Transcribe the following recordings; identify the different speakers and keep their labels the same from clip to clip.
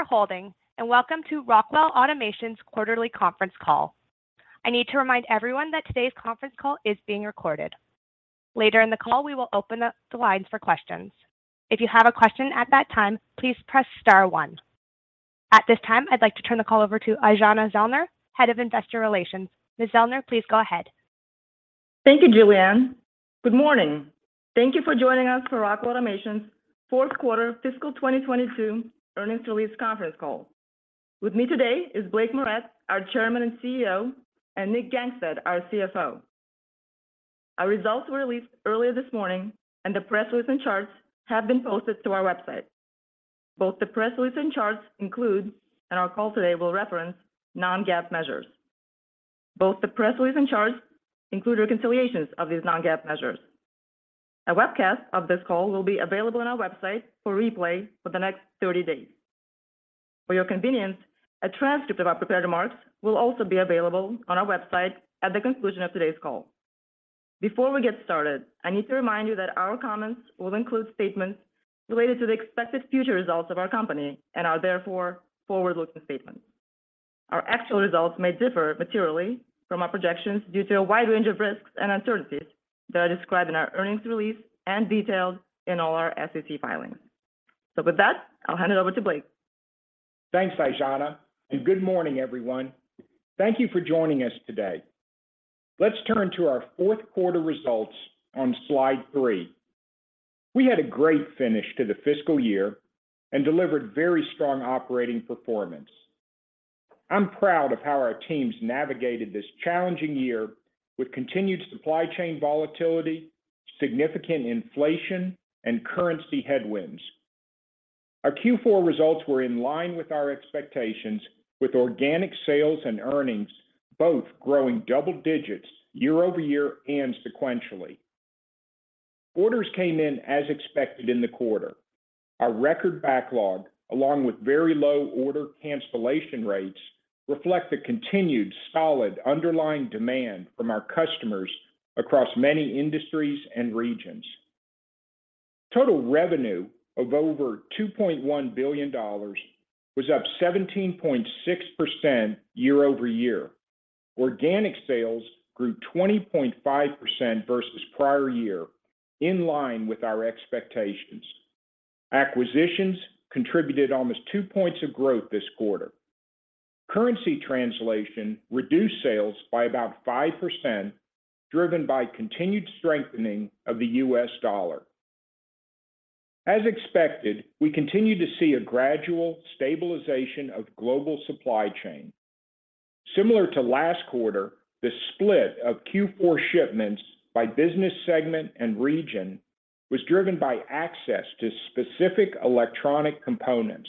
Speaker 1: Thank you for holding, and welcome to Rockwell Automation's Quarterly Conference Call. I need to remind everyone that today's conference call is being recorded. Later in the call, we will open up the lines for questions. If you have a question at that time, please press star one. At this time, I'd like to turn the call over to Aijana Zellner, Head of Investor Relations. Ms. Zellner, please go ahead.
Speaker 2: Thank you, Julianne. Good morning. Thank you for joining us for Rockwell Automation's Fourth Quarter Fiscal 2022 Earnings Release Conference Call. With me today is Blake Moret, our Chairman and CEO, and Nick Gangestad, our CFO. Our results were released earlier this morning, and the press release and charts have been posted to our website. Both the press release and charts include, and our call today will reference, non-GAAP measures. Both the press release and charts include reconciliations of these non-GAAP measures. A webcast of this call will be available on our website for replay for the next 30 days. For your convenience, a transcript of our prepared remarks will also be available on our website at the conclusion of today's call. Before we get started, I need to remind you that our comments will include statements related to the expected future results of our company and are therefore forward-looking statements. Our actual results may differ materially from our projections due to a wide range of risks and uncertainties that are described in our earnings release and detailed in all our SEC filings. With that, I'll hand it over to Blake.
Speaker 3: Thanks, Aijana, and good morning, everyone. Thank you for joining us today. Let's turn to our fourth quarter results on slide three. We had a great finish to the fiscal year and delivered very strong operating performance. I'm proud of how our teams navigated this challenging year with continued supply chain volatility, significant inflation, and currency headwinds. Our Q4 results were in line with our expectations with organic sales and earnings both growing double digits year-over-year and sequentially. Orders came in as expected in the quarter. Our record backlog, along with very low order cancellation rates, reflect the continued solid underlying demand from our customers across many industries and regions. Total revenue of over $2.1 billion was up 17.6% year-over-year. Organic sales grew 20.5% versus prior year, in line with our expectations. Acquisitions contributed almost two points of growth this quarter. Currency translation reduced sales by about 5%, driven by continued strengthening of the U.S. dollar. As expected, we continued to see a gradual stabilization of global supply chain. Similar to last quarter, the split of Q4 shipments by business segment and region was driven by access to specific electronic components.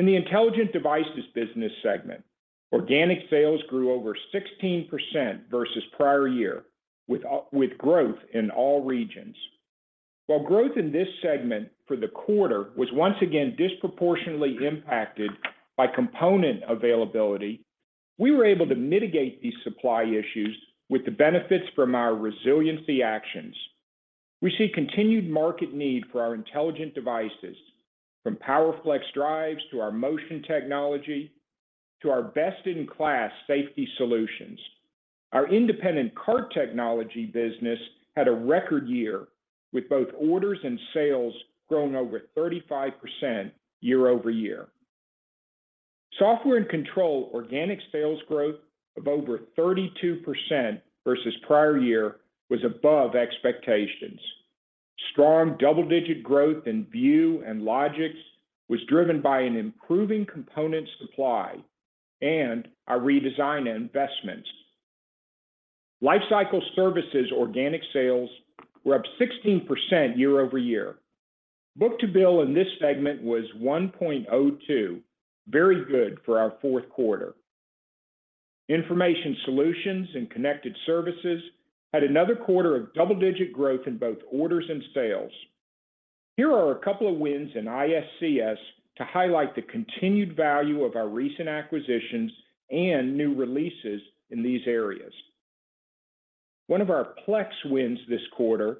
Speaker 3: In the intelligent devices business segment, organic sales grew over 16% versus prior year with growth in all regions. While growth in this segment for the quarter was once again disproportionately impacted by component availability, we were able to mitigate these supply issues with the benefits from our resiliency actions. We see continued market need for our intelligent devices from PowerFlex drives to our motion technology to our best-in-class safety solutions. Our independent cart technology business had a record year with both orders and sales growing over 35% year-over-year. Software and control organic sales growth of over 32% versus prior year was above expectations. Strong double-digit growth in View and Logix was driven by an improving component supply and our redesign investments. Lifecycle services organic sales were up 16% year-over-year. Book-to-bill in this segment was 1.02, very good for our fourth quarter. Information solutions and connected services had another quarter of double-digit growth in both orders and sales. Here are a couple of wins in ISCS to highlight the continued value of our recent acquisitions and new releases in these areas. One of our Plex wins this quarter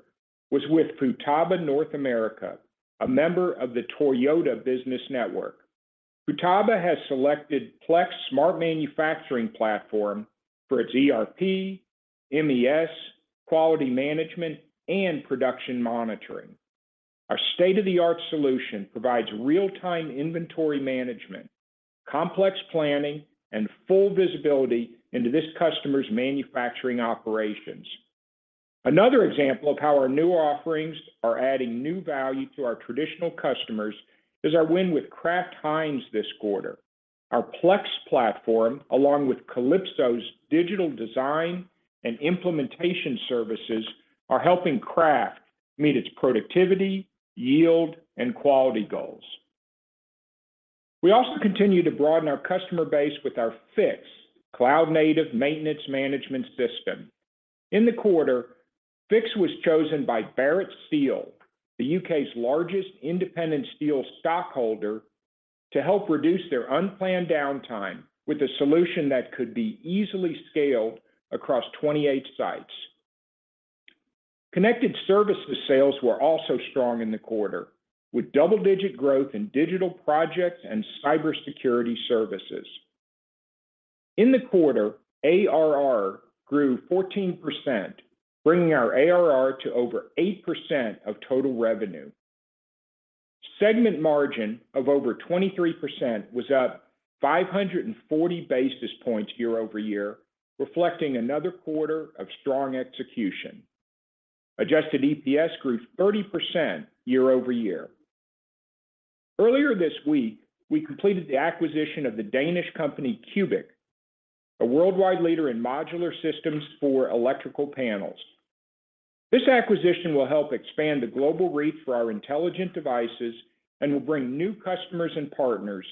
Speaker 3: was with Futaba North America, a member of the Toyota Business Network. Futaba has selected Plex Smart Manufacturing Platform for its ERP, MES, quality management, and production monitoring. Our state-of-the-art solution provides real-time inventory management, complex planning, and full visibility into this customer's manufacturing operations. Another example of how our new offerings are adding new value to our traditional customers is our win with Kraft Heinz this quarter. Our Plex platform, along with Kalypso's digital design and implementation services, are helping Kraft meet its productivity, yield, and quality goals. We also continue to broaden our customer base with our Fiix cloud-native maintenance management system. In the quarter, Fiix was chosen by Barrett Steel, the U.K.'s largest independent steel stockholder, to help reduce their unplanned downtime with a solution that could be easily scaled across 28 sites. Connected services sales were also strong in the quarter, with double-digit growth in digital projects and cybersecurity services. In the quarter, ARR grew 14%, bringing our ARR to over 8% of total revenue. Segment margin of over 23% was up 540 basis points year-over-year, reflecting another quarter of strong execution. Adjusted EPS grew 30% year-over-year. Earlier this week, we completed the acquisition of the Danish company CUBIC, a worldwide leader in modular systems for electrical panels. This acquisition will help expand the global reach for our intelligent devices and will bring new customers and partners,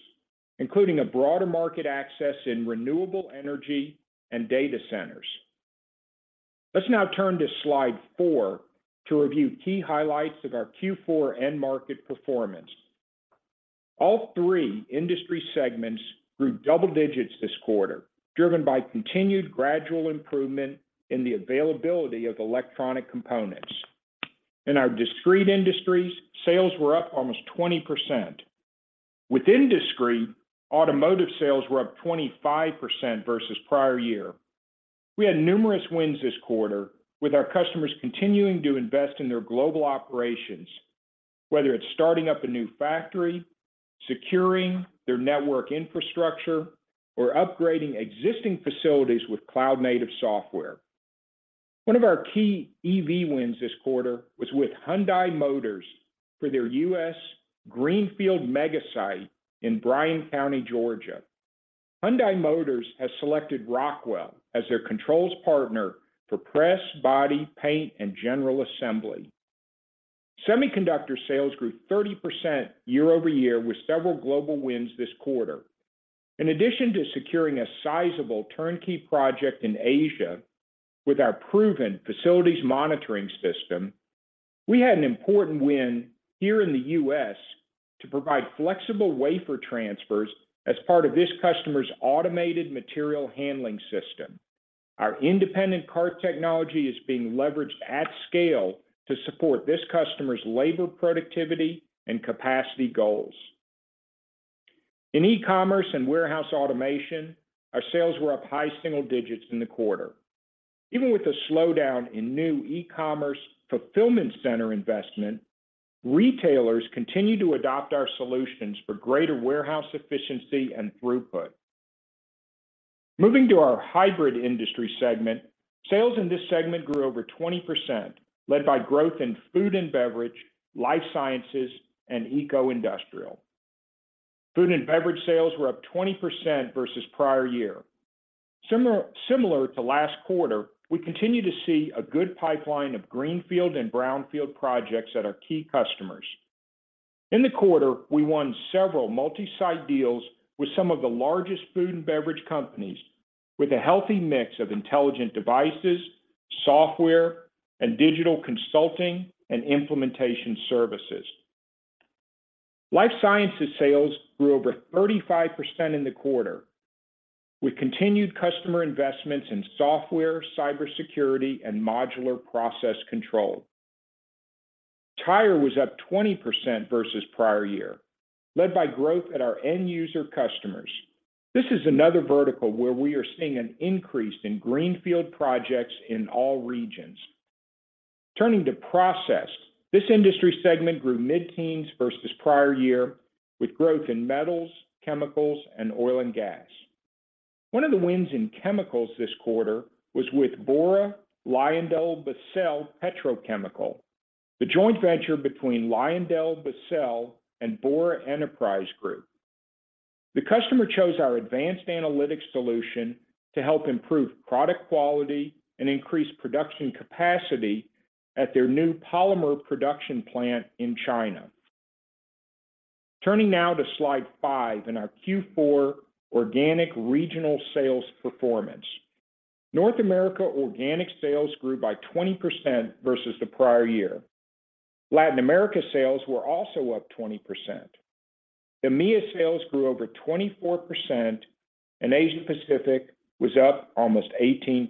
Speaker 3: including a broader market access in renewable energy and data centers. Let's now turn to slide four to review key highlights of our Q4 end market performance. All three industry segments grew double digits this quarter, driven by continued gradual improvement in the availability of electronic components. In our discrete industries, sales were up almost 20%. Within discrete, automotive sales were up 25% versus prior year. We had numerous wins this quarter with our customers continuing to invest in their global operations, whether it's starting up a new factory, securing their network infrastructure, or upgrading existing facilities with cloud native software. One of our key EV wins this quarter was with Hyundai Motor Group for their U.S. Greenfield mega site in Bryan County, Georgia. Hyundai Motor Group has selected Rockwell as their controls partner for press, body, paint, and general assembly. Semiconductor sales grew 30% year-over-year with several global wins this quarter. In addition to securing a sizable turnkey project in Asia with our proven facilities monitoring system, we had an important win here in the U.S. to provide flexible wafer transfers as part of this customer's automated material handling system. Our independent cart technology is being leveraged at scale to support this customer's labor productivity and capacity goals. In e-commerce and warehouse automation, our sales were up high single digits% in the quarter. Even with the slowdown in new e-commerce fulfillment center investment, retailers continue to adopt our solutions for greater warehouse efficiency and throughput. Moving to our hybrid industry segment, sales in this segment grew over 20%, led by growth in food and beverage, life sciences, and eco-industrial. Food and beverage sales were up 20% versus prior year. Similar to last quarter, we continue to see a good pipeline of greenfield and brownfield projects at our key customers. In the quarter, we won several multi-site deals with some of the largest food and beverage companies with a healthy mix of intelligent devices, software, and digital consulting and implementation services. Life sciences sales grew over 35% in the quarter with continued customer investments in software, cybersecurity, and modular process control. Tire was up 20% versus prior year, led by growth at our end user customers. This is another vertical where we are seeing an increase in greenfield projects in all regions. Turning to process, this industry segment grew mid-teens versus prior year with growth in metals, chemicals, and oil and gas. One of the wins in chemicals this quarter was with Bora LyondellBasell Petrochemical, the joint venture between LyondellBasell and Liaoning Bora Enterprise Group. The customer chose our advanced analytics solution to help improve product quality and increase production capacity at their new polymer production plant in China. Turning now to slide five in our Q4 organic regional sales performance. North America organic sales grew by 20% versus the prior year. Latin America sales were also up 20%. EMEA sales grew over 24%, and Asia-Pacific was up almost 18%.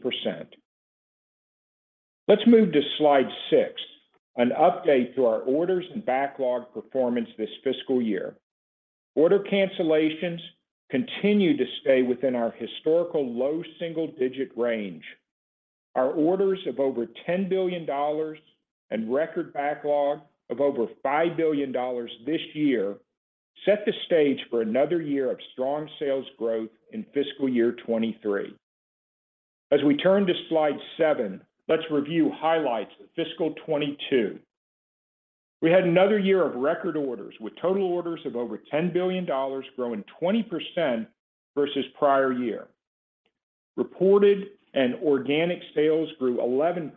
Speaker 3: Let's move to slide six, an update to our orders and backlog performance this fiscal year. Order cancellations continue to stay within our historical low single digit range. Our orders of over $10 billion and record backlog of over $5 billion this year set the stage for another year of strong sales growth in fiscal year 2023. As we turn to slide seven, let's review highlights of fiscal 2022. We had another year of record orders with total orders of over $10 billion growing 20% versus prior year. Reported and organic sales grew 11%,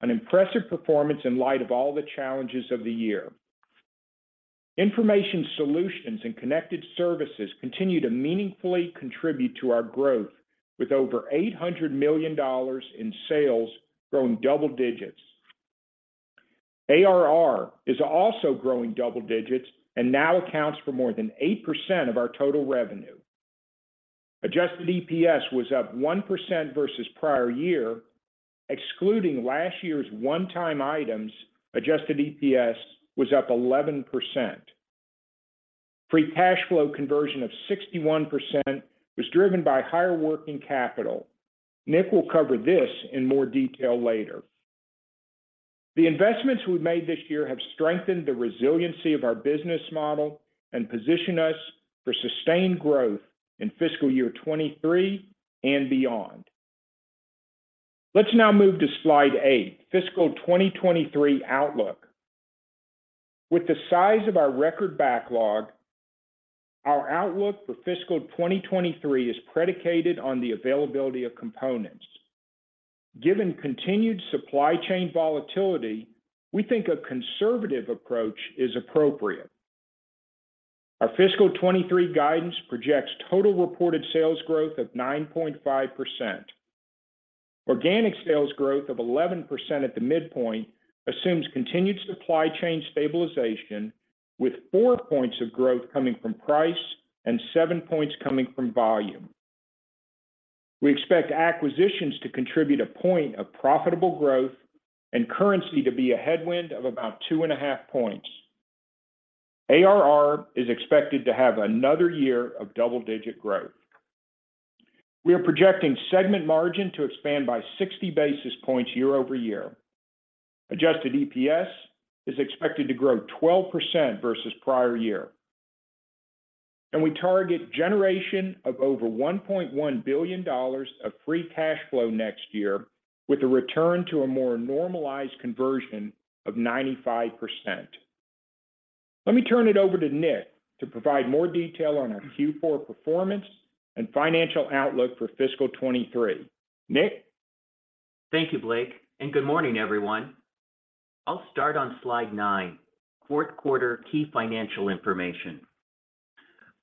Speaker 3: an impressive performance in light of all the challenges of the year. Information solutions and connected services continue to meaningfully contribute to our growth with over $800 million in sales growing double digits. ARR is also growing double digits and now accounts for more than 8% of our total revenue. Adjusted EPS was up 1% versus prior year. Excluding last year's one-time items, adjusted EPS was up 11%. Free cash flow conversion of 61% was driven by higher working capital. Nick will cover this in more detail later. The investments we've made this year have strengthened the resiliency of our business model and position us for sustained growth in fiscal year 2023 and beyond. Let's now move to slide eight, fiscal 2023 outlook. With the size of our record backlog, our outlook for fiscal 2023 is predicated on the availability of components. Given continued supply chain volatility, we think a conservative approach is appropriate. Our fiscal 2023 guidance projects total reported sales growth of 9.5%. Organic sales growth of 11% at the midpoint assumes continued supply chain stabilization, with four points of growth coming from price and seven points coming from volume. We expect acquisitions to contribute a point of profitable growth and currency to be a headwind of about 2.5 points. ARR is expected to have another year of double-digit growth. We are projecting segment margin to expand by 60 basis points year-over-year. Adjusted EPS is expected to grow 12% versus prior year. We target generation of over $1.1 billion of free cash flow next year with a return to a more normalized conversion of 95%. Let me turn it over to Nick to provide more detail on our Q4 performance and financial outlook for fiscal 2023. Nick?
Speaker 4: Thank you, Blake, and good morning, everyone. I'll start on slide nine, fourth quarter key financial information.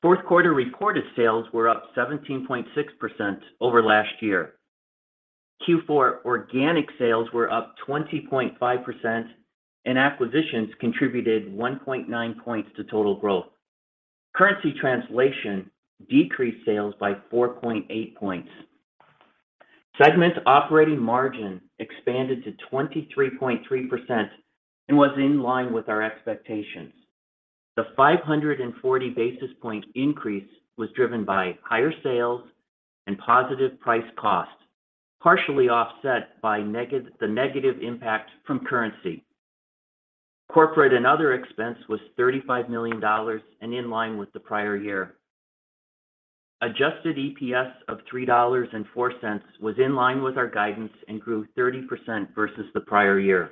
Speaker 4: Fourth quarter reported sales were up 17.6% over last year. Q4 organic sales were up 20.5%, and acquisitions contributed 1.9 points to total growth. Currency translation decreased sales by 4.8 points. Segment operating margin expanded to 23.3% and was in line with our expectations. The 540 basis point increase was driven by higher sales and positive price cost, partially offset by the negative impact from currency. Corporate and other expense was $35 million and in line with the prior year. Adjusted EPS of $3.04 was in line with our guidance and grew 30% versus the prior year.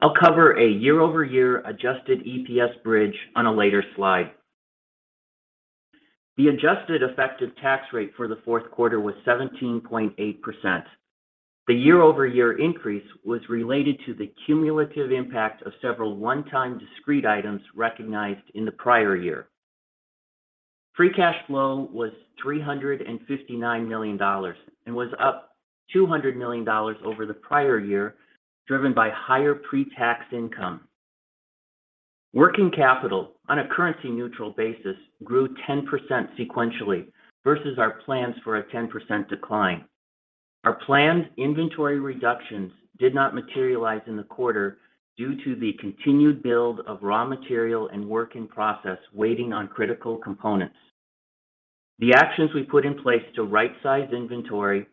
Speaker 4: I'll cover a year-over-year adjusted EPS bridge on a later slide. The adjusted effective tax rate for the fourth quarter was 17.8%. The year-over-year increase was related to the cumulative impact of several one-time discrete items recognized in the prior year. Free cash flow was $359 million and was up $200 million over the prior year, driven by higher pre-tax income. Working capital on a currency neutral basis grew 10% sequentially versus our plans for a 10% decline. Our planned inventory reductions did not materialize in the quarter due to the continued build of raw material and work in process waiting on critical components. The actions we put in place to right-size inventory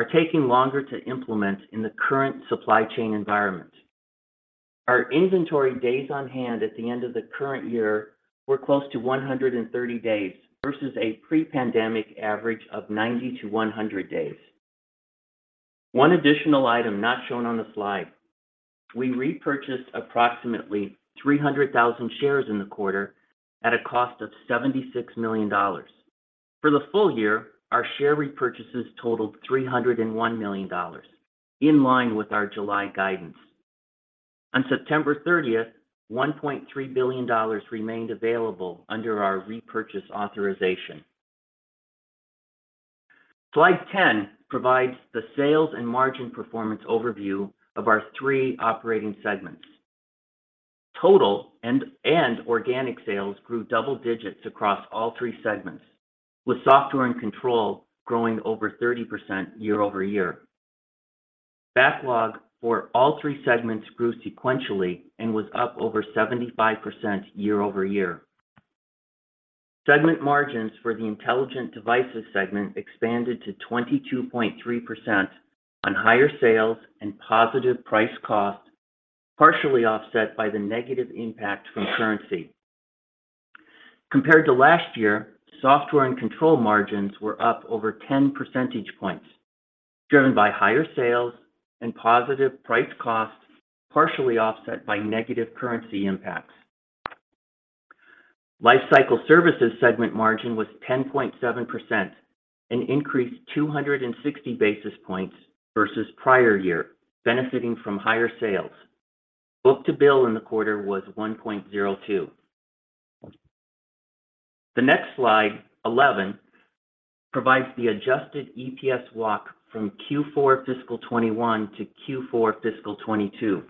Speaker 4: are taking longer to implement in the current supply chain environment. Our inventory days on hand at the end of the current year were close to 130 days versus a pre-pandemic average of 90-100 days. One additional item not shown on the slide, we repurchased approximately 300,000 shares in the quarter at a cost of $76 million. For the full year, our share repurchases totaled $301 million in line with our July guidance. On September 30, $1.3 billion remained available under our repurchase authorization. Slide 10 provides the sales and margin performance overview of our three operating segments. Total and organic sales grew double digits across all three segments, with software and control growing over 30% year-over-year. Backlog for all three segments grew sequentially and was up over 75% year-over-year. Segment margins for the intelligent devices segment expanded to 22.3% on higher sales and positive price cost, partially offset by the negative impact from currency. Compared to last year, software and control margins were up over 10 percentage points, driven by higher sales and positive price costs, partially offset by negative currency impacts. Life cycle services segment margin was 10.7%, an increase 260 basis points versus prior year, benefiting from higher sales. Book-to-bill in the quarter was 1.02. The next slide, 11, provides the adjusted EPS walk from Q4 fiscal 2021 to Q4 fiscal 2022.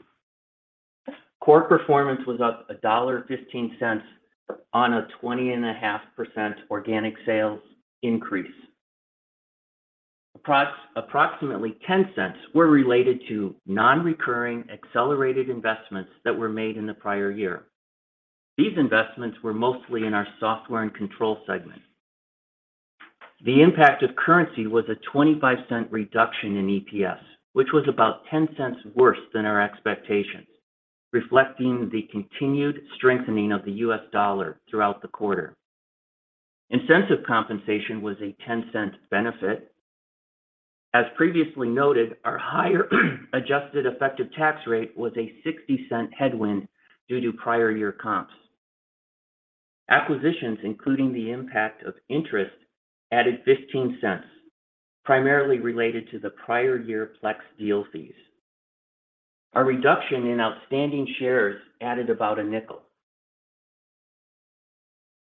Speaker 4: Core performance was up $1.15 on a 20.5% organic sales increase. Approximately 10 cents were related to non-recurring accelerated investments that were made in the prior year. These investments were mostly in our software and control segment. The impact of currency was a $0.25 reduction in EPS, which was about $0.10 worse than our expectations, reflecting the continued strengthening of the US dollar throughout the quarter. Incentive compensation was a $0.10 benefit. As previously noted, our higher adjusted effective tax rate was a $0.60 headwind due to prior year comps. Acquisitions, including the impact of interest, added $0.15, primarily related to the prior year Plex deal fees. Our reduction in outstanding shares added about $0.05.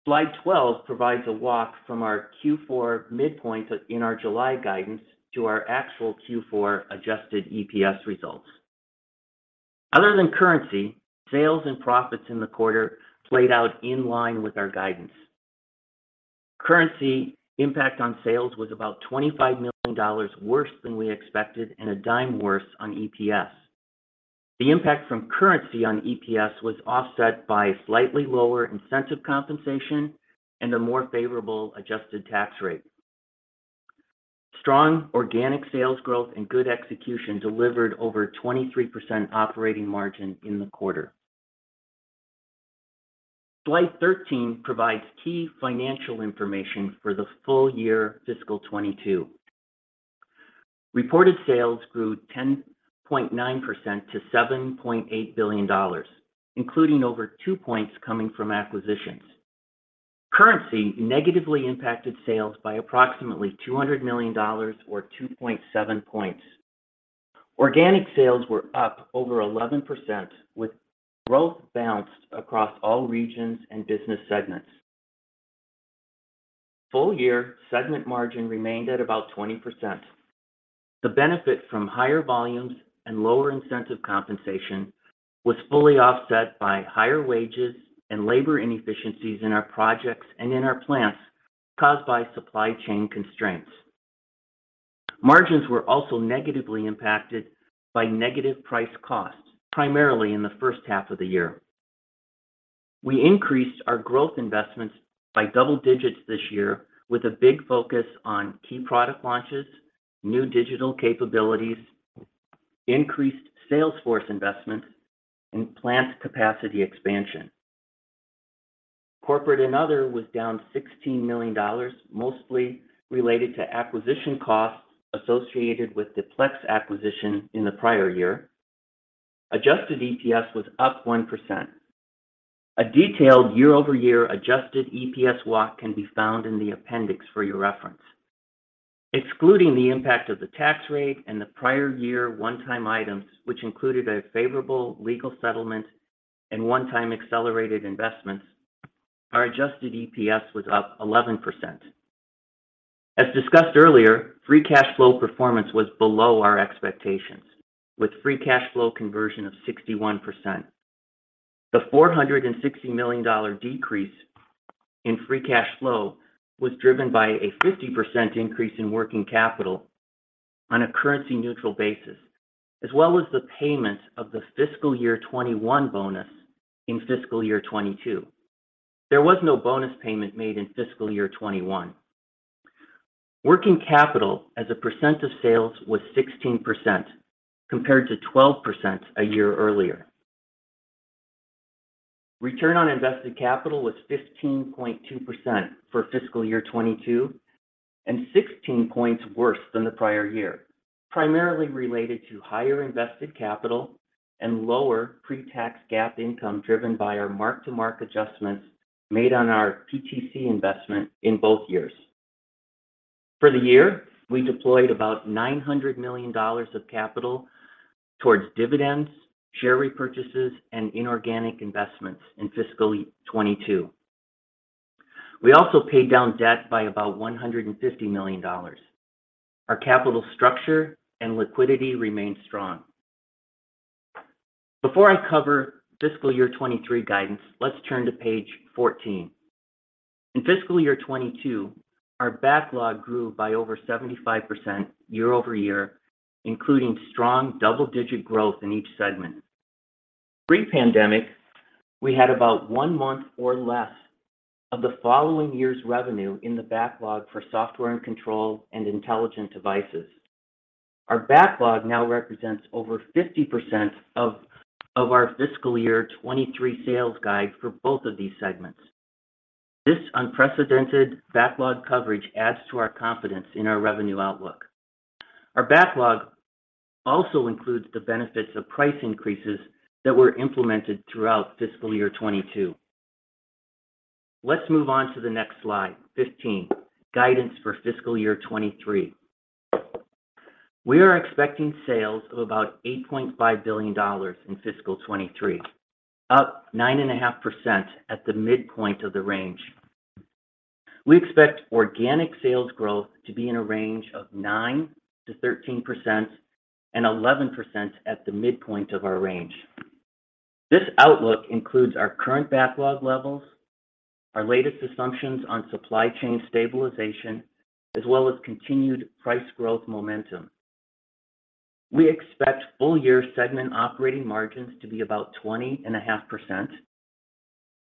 Speaker 4: Slide 12 provides a walk from our Q4 midpoint in our July guidance to our actual Q4 adjusted EPS results. Other than currency, sales and profits in the quarter played out in line with our guidance. Currency impact on sales was about $25 million worse than we expected and $0.10 worse on EPS. The impact from currency on EPS was offset by slightly lower incentive compensation and a more favorable adjusted tax rate. Strong organic sales growth and good execution delivered over 23% operating margin in the quarter. Slide 13 provides key financial information for the full year fiscal 2022. Reported sales grew 10.9% to $7.8 billion, including over 2 points coming from acquisitions. Currency negatively impacted sales by approximately $200 million or 2.7 points. Organic sales were up over 11% with growth balanced across all regions and business segments. Full year segment margin remained at about 20%. The benefit from higher volumes and lower incentive compensation was fully offset by higher wages and labor inefficiencies in our projects and in our plants caused by supply chain constraints. Margins were also negatively impacted by negative price costs, primarily in the first half of the year. We increased our growth investments by double digits this year with a big focus on key product launches, new digital capabilities, increased sales force investments, and plant capacity expansion. Corporate and other was down $16 million, mostly related to acquisition costs associated with the Plex acquisition in the prior year. Adjusted EPS was up 1%. A detailed year-over-year adjusted EPS walk can be found in the appendix for your reference. Excluding the impact of the tax rate and the prior year one-time items, which included a favorable legal settlement and one-time accelerated investments, our adjusted EPS was up 11%. As discussed earlier, free cash flow performance was below our expectations with free cash flow conversion of 61%. The $460 million decrease in free cash flow was driven by a 50% increase in working capital on a currency neutral basis, as well as the payment of the fiscal year 2021 bonus in fiscal year 2022. There was no bonus payment made in fiscal year 2021. Working capital as a percent of sales was 16% compared to 12% a year earlier. Return on invested capital was 15.2% for fiscal year 2022, and 16 points worse than the prior year, primarily related to higher invested capital and lower pre-tax GAAP income driven by our mark-to-market adjustments made on our PTC investment in both years. For the year, we deployed about $900 million of capital towards dividends, share repurchases, and inorganic investments in fiscal 2022. We also paid down debt by about $150 million. Our capital structure and liquidity remain strong. Before I cover fiscal year 2023 guidance, let's turn to page 14. In fiscal year 2022, our backlog grew by over 75% year-over-year, including strong double-digit growth in each segment. Pre-pandemic, we had about one month or less of the following year's revenue in the backlog for software and control and intelligent devices. Our backlog now represents over 50% of our fiscal year 2023 sales guide for both of these segments. This unprecedented backlog coverage adds to our confidence in our revenue outlook. Our backlog also includes the benefits of price increases that were implemented throughout fiscal year 2022. Let's move on to the next slide, 15, guidance for fiscal year 2023. We are expecting sales of about $8.5 billion in fiscal 2023, up 9.5% at the midpoint of the range. We expect organic sales growth to be in a range of 9%-13% and 11% at the midpoint of our range. This outlook includes our current backlog levels, our latest assumptions on supply chain stabilization, as well as continued price growth momentum. We expect full year segment operating margins to be about 20.5%.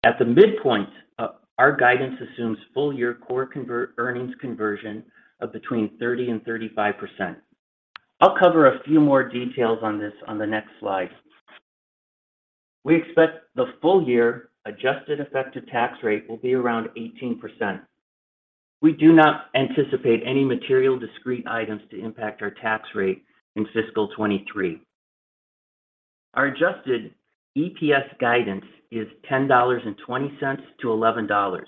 Speaker 4: At the midpoint, our guidance assumes full year core earnings conversion of between 30%-35%. I'll cover a few more details on this on the next slide. We expect the full year adjusted effective tax rate will be around 18%. We do not anticipate any material discrete items to impact our tax rate in fiscal 2023. Our adjusted EPS guidance is $10.20-$11.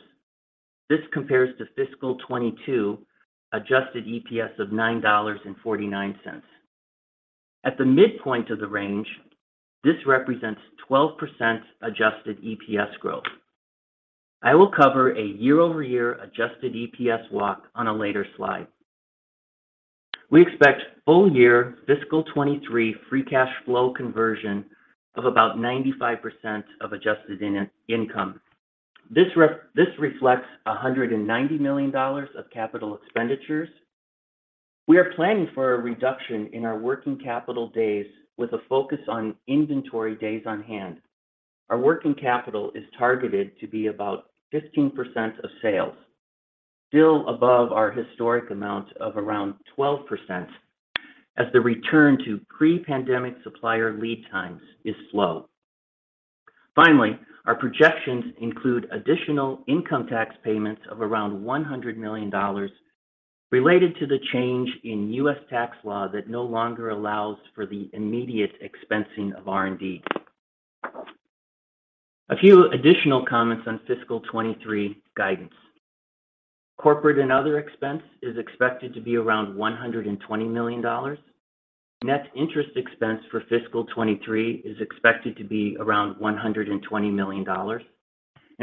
Speaker 4: This compares to fiscal 2022 adjusted EPS of $9.49. At the midpoint of the range, this represents 12% adjusted EPS growth. I will cover a year-over-year adjusted EPS walk on a later slide. We expect full year fiscal 2023 free cash flow conversion of about 95% of adjusted income. This reflects $190 million of capital expenditures. We are planning for a reduction in our working capital days with a focus on inventory days on hand. Our working capital is targeted to be about 15% of sales, still above our historic amount of around 12% as the return to pre-pandemic supplier lead times is slow. Finally, our projections include additional income tax payments of around $100 million related to the change in U.S. tax law that no longer allows for the immediate expensing of R&D. A few additional comments on fiscal 2023 guidance. Corporate and other expense is expected to be around $120 million. Net interest expense for fiscal 2023 is expected to be around $120 million.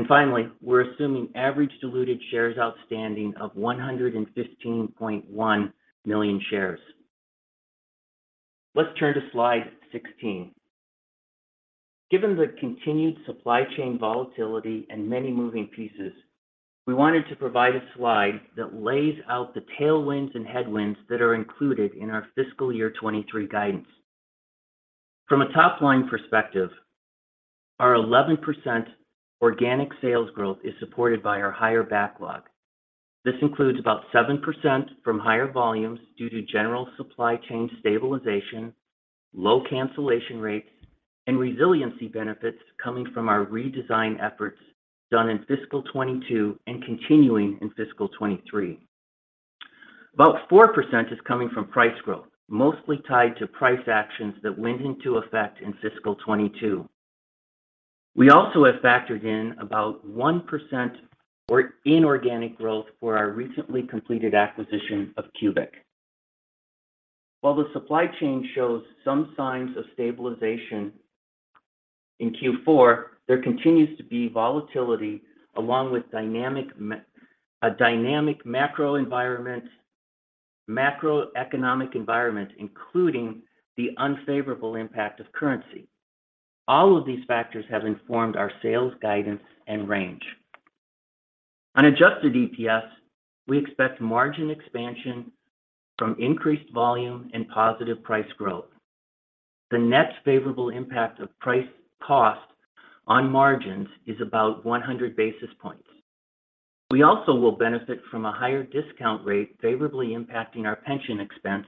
Speaker 4: Finally, we're assuming average diluted shares outstanding of 115.1 million shares. Let's turn to slide 16. Given the continued supply chain volatility and many moving pieces, we wanted to provide a slide that lays out the tailwinds and headwinds that are included in our fiscal year 2023 guidance. From a top-line perspective, our 11% organic sales growth is supported by our higher backlog. This includes about 7% from higher volumes due to general supply chain stabilization, low cancellation rates, and resiliency benefits coming from our redesign efforts done in fiscal 2022 and continuing in fiscal 2023. About 4% is coming from price growth, mostly tied to price actions that went into effect in fiscal 2022. We also have factored in about 1% inorganic growth for our recently completed acquisition of CUBIC. While the supply chain shows some signs of stabilization in Q4, there continues to be volatility along with a dynamic macroeconomic environment, including the unfavorable impact of currency. All of these factors have informed our sales guidance and range. On adjusted EPS, we expect margin expansion from increased volume and positive price growth. The net favorable impact of price cost on margins is about 100 basis points. We also will benefit from a higher discount rate favorably impacting our pension expense,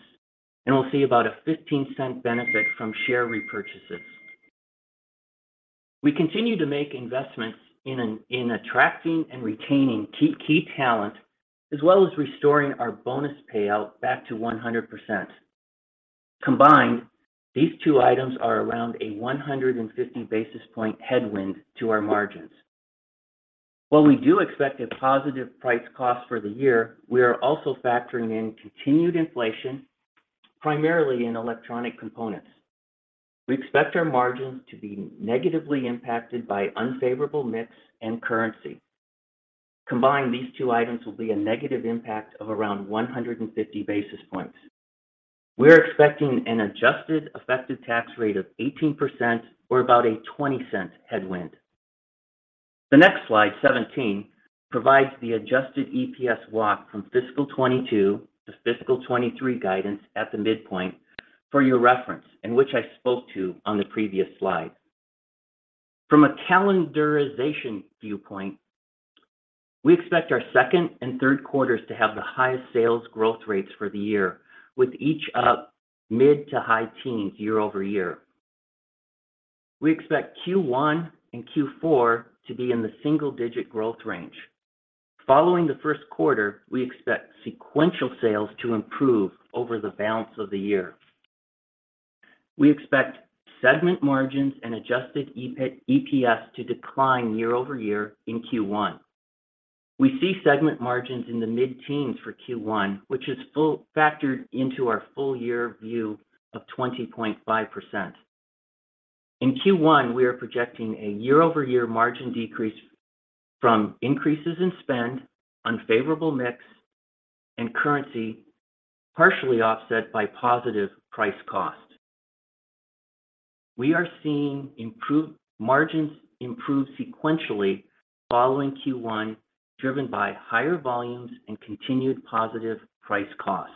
Speaker 4: and we'll see about a $0.15 benefit from share repurchases. We continue to make investments in attracting and retaining key talent, as well as restoring our bonus payout back to 100%. Combined, these two items are around a 150 basis point headwind to our margins. While we do expect a positive price cost for the year, we are also factoring in continued inflation, primarily in electronic components. We expect our margins to be negatively impacted by unfavorable mix and currency. Combined, these two items will be a negative impact of around 150 basis points. We're expecting an adjusted effective tax rate of 18% or about a $0.20 headwind. The next slide, 17, provides the adjusted EPS walk from fiscal 2022 to fiscal 2023 guidance at the midpoint for your reference, which I spoke to on the previous slide. From a calendarization viewpoint, we expect our second and third quarters to have the highest sales growth rates for the year, with each up mid- to high-teens year-over-year. We expect Q1 and Q4 to be in the single-digit growth range. Following the first quarter, we expect sequential sales to improve over the balance of the year. We expect segment margins and adjusted EPS to decline year-over-year in Q1. We see segment margins in the mid-teens for Q1, which is fully factored into our full-year view of 20.5%. In Q1, we are projecting a year-over-year margin decrease from increases in spend, unfavorable mix, and currency partially offset by positive price cost. We are seeing margins improve sequentially following Q1, driven by higher volumes and continued positive price cost.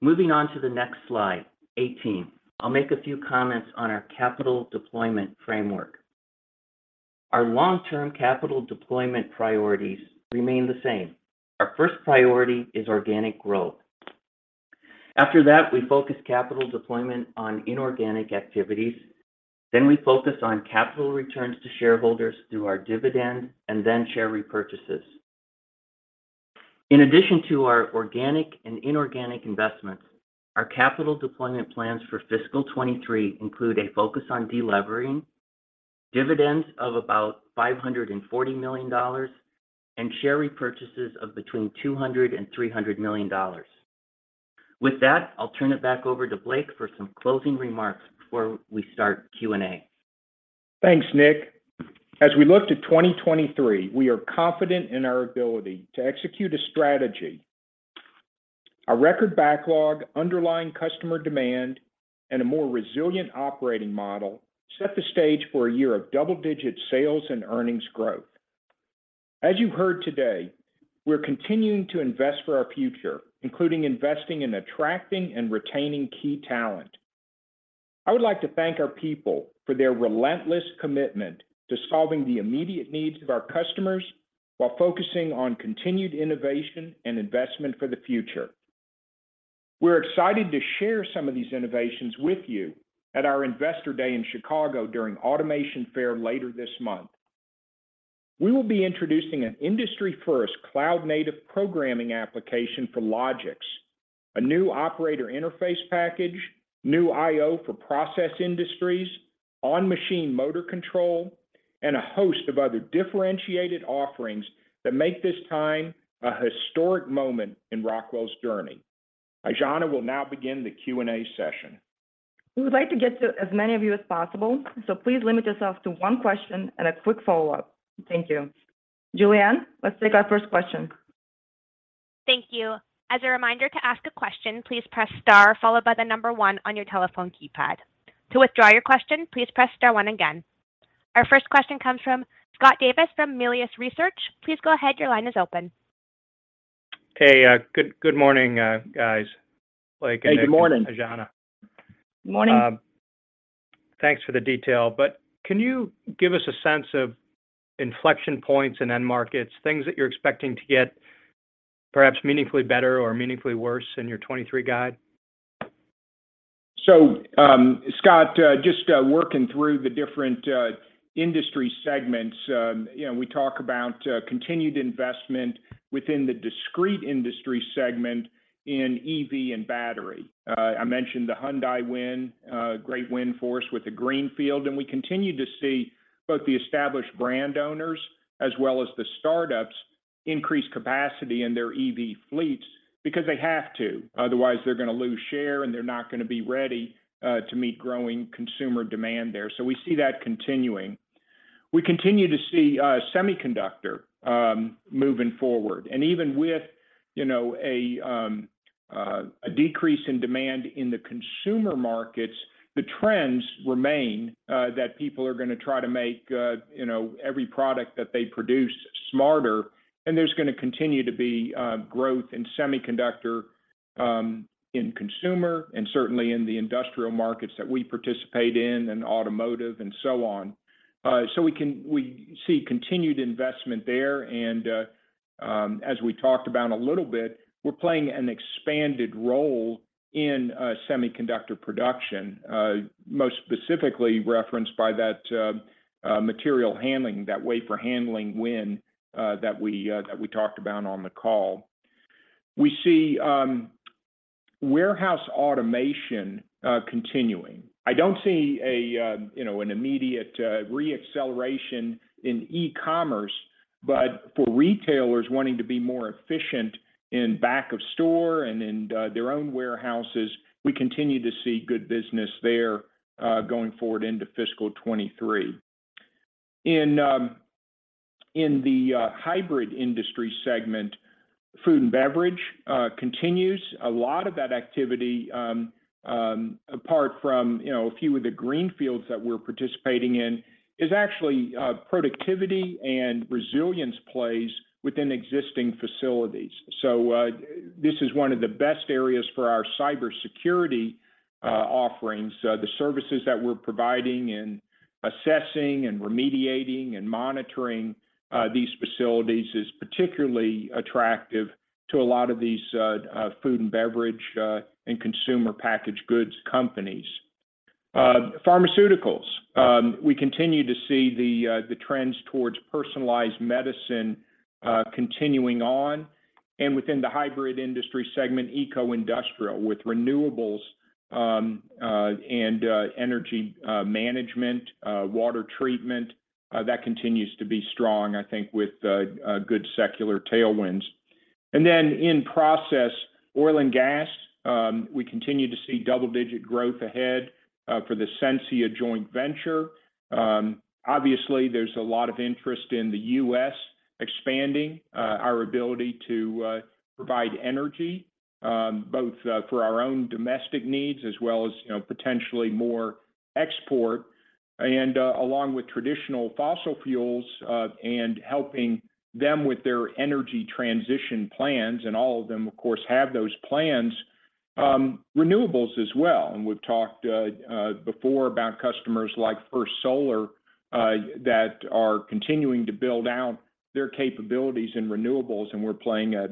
Speaker 4: Moving on to the next slide, 18, I'll make a few comments on our capital deployment framework. Our long-term capital deployment priorities remain the same. Our first priority is organic growth. After that, we focus capital deployment on inorganic activities, then we focus on capital returns to shareholders through our dividend and then share repurchases. In addition to our organic and inorganic investments, our capital deployment plans for fiscal 2023 include a focus on de-levering, dividends of about $540 million, and share repurchases of between $200 million and $300 million. With that, I'll turn it back over to Blake for some closing remarks before we start Q&A.
Speaker 3: Thanks, Nick. As we look to 2023, we are confident in our ability to execute a strategy. Our record backlog, underlying customer demand, and a more resilient operating model set the stage for a year of double-digit sales and earnings growth. As you heard today, we're continuing to invest for our future, including investing in attracting and retaining key talent. I would like to thank our people for their relentless commitment to solving the immediate needs of our customers while focusing on continued innovation and investment for the future. We're excited to share some of these innovations with you at our Investor Day in Chicago during Automation Fair later this month. We will be introducing an industry-first cloud-native programming application for Logix, a new operator interface package, new IO for process industries, on-machine motor control, and a host of other differentiated offerings that make this time a historic moment in Rockwell's journey. Aijana will now begin the Q&A session.
Speaker 2: We would like to get to as many of you as possible, so please limit yourself to one question and a quick follow-up. Thank you. Julianne, let's take our first question.
Speaker 1: Thank you. As a reminder to ask a question, please press star followed by the number one on your telephone keypad. To withdraw your question, please press star one again. Our first question comes from Scott Davis from Melius Research. Please go ahead, your line is open.
Speaker 5: Hey, good morning, guys, Blake and Nick-
Speaker 3: Hey, good morning.
Speaker 5: and Aijana.
Speaker 4: Morning.
Speaker 5: Thanks for the detail, but can you give us a sense of inflection points in end markets, things that you're expecting to get perhaps meaningfully better or meaningfully worse in your 2023 guide?
Speaker 3: Scott, just working through the different industry segments, you know, we talk about continued investment within the discrete industry segment in EV and battery. I mentioned the Hyundai win, great win for us with the greenfield, and we continue to see both the established brand owners as well as the startups increase capacity in their EV fleets because they have to, otherwise they're gonna lose share, and they're not gonna be ready to meet growing consumer demand there. We see that continuing. We continue to see semiconductor moving forward, and even with, you know, a decrease in demand in the consumer markets, the trends remain that people are gonna try to make, you know, every product that they produce smarter, and there's gonna continue to be growth in semiconductor in consumer and certainly in the industrial markets that we participate in and automotive and so on. We see continued investment there and, as we talked about a little bit, we're playing an expanded role in semiconductor production, most specifically referenced by that material handling, that wafer handling win that we talked about on the call. We see warehouse automation continuing. I don't see a, you know, an immediate re-acceleration in e-commerce, but for retailers wanting to be more efficient in back of store and in their own warehouses, we continue to see good business there going forward into fiscal 2023. In the hybrid industry segment, food and beverage continues. A lot of that activity apart from, you know, a few of the greenfields that we're participating in, is actually productivity and resilience plays within existing facilities. This is one of the best areas for our cybersecurity offerings. The services that we're providing in assessing and remediating and monitoring these facilities is particularly attractive to a lot of these food and beverage and consumer packaged goods companies. Pharmaceuticals, we continue to see the trends towards personalized medicine continuing on and within the hybrid industry segment, eco-industrial with renewables, and energy management, water treatment, that continues to be strong, I think, with good secular tailwinds. In process, oil and gas, we continue to see double-digit growth ahead for the Sensia joint venture. Obviously, there's a lot of interest in the U.S. expanding our ability to provide energy both for our own domestic needs as well as, you know, potentially more export. Along with traditional fossil fuels and helping them with their energy transition plans, and all of them, of course, have those plans, renewables as well. We've talked before about customers like First Solar that are continuing to build out their capabilities in renewables, and we're playing a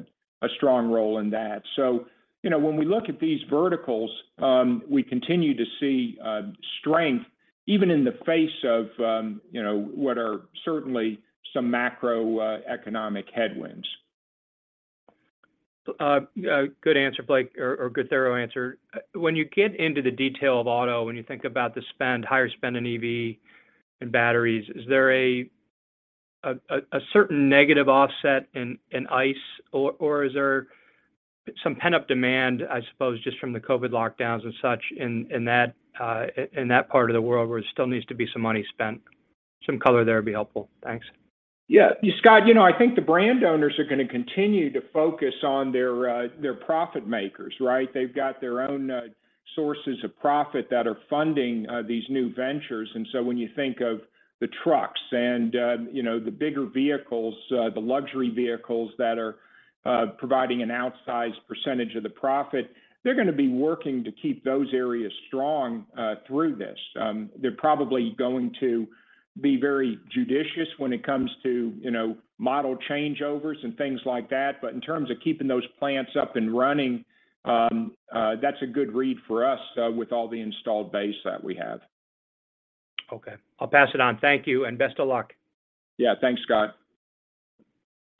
Speaker 3: strong role in that. You know, when we look at these verticals, we continue to see strength even in the face of you know, what are certainly some macroeconomic headwinds.
Speaker 5: Good answer, Blake, or good thorough answer. When you get into the detail of auto, when you think about the spend, higher spend in EV and batteries, is there a certain negative offset in ICE or is there some pent-up demand, I suppose, just from the COVID lockdowns and such in that part of the world where there still needs to be some money spent? Some color there would be helpful. Thanks.
Speaker 3: Yeah. Scott, you know, I think the brand owners are gonna continue to focus on their their profit makers, right? They've got their own sources of profit that are funding these new ventures. When you think of the trucks and, you know, the bigger vehicles, the luxury vehicles that are providing an outsized percentage of the profit, they're gonna be working to keep those areas strong through this. They're probably going to be very judicious when it comes to, you know, model changeovers and things like that. But in terms of keeping those plants up and running, that's a good read for us, with all the installed base that we have.
Speaker 5: Okay. I'll pass it on. Thank you, and best of luck.
Speaker 3: Yeah. Thanks, Scott.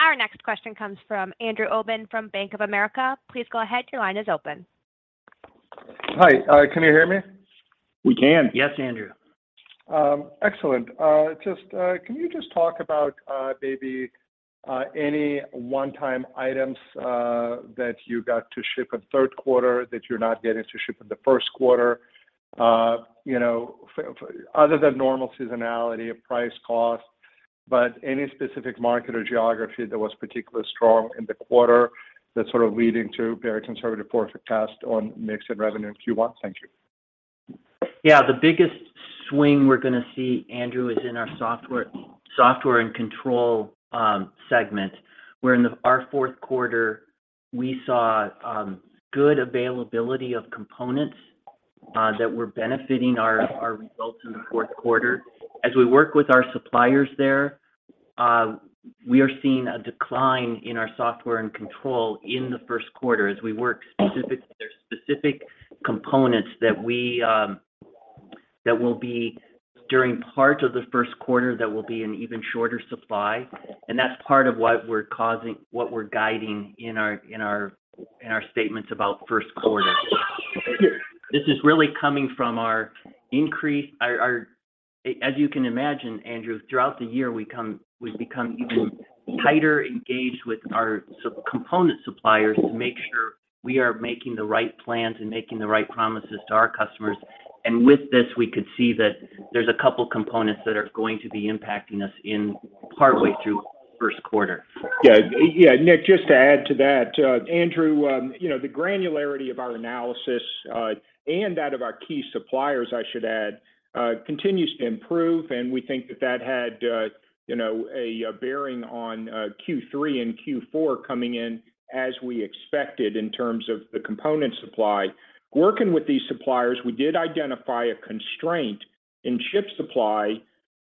Speaker 1: Our next question comes from Andrew Obin from Bank of America. Please go ahead, your line is open.
Speaker 6: Hi, can you hear me?
Speaker 3: We can.
Speaker 4: Yes, Andrew.
Speaker 6: Excellent. Just, can you just talk about maybe any one-time items that you got to ship in third quarter that you're not getting to ship in the first quarter? You know, for other than normal seasonality of price cost, but any specific market or geography that was particularly strong in the quarter that's sort of leading to very conservative forecast on mix and revenue in Q1. Thank you.
Speaker 4: Yeah. The biggest swing we're gonna see, Andrew, is in our Software & Control segment, where in our fourth quarter, we saw good availability of components that were benefiting our results in the fourth quarter. As we work with our suppliers there, we are seeing a decline in our Software & Control in the first quarter. There's specific components that will be during part of the first quarter in even shorter supply, and that's part of what we're guiding in our statements about first quarter. This is really coming from our increase. As you can imagine, Andrew, throughout the year, we've become even tighter engaged with our component suppliers to make sure we are making the right plans and making the right promises to our customers. With this, we could see that there's a couple components that are going to be impacting us partway through first quarter.
Speaker 3: Yeah. Yeah. Nick, just to add to that, Andrew, you know, the granularity of our analysis and that of our key suppliers, I should add, continues to improve, and we think that had, you know, a bearing on Q3 and Q4 coming in as we expected in terms of the component supply. Working with these suppliers, we did identify a constraint in chip supply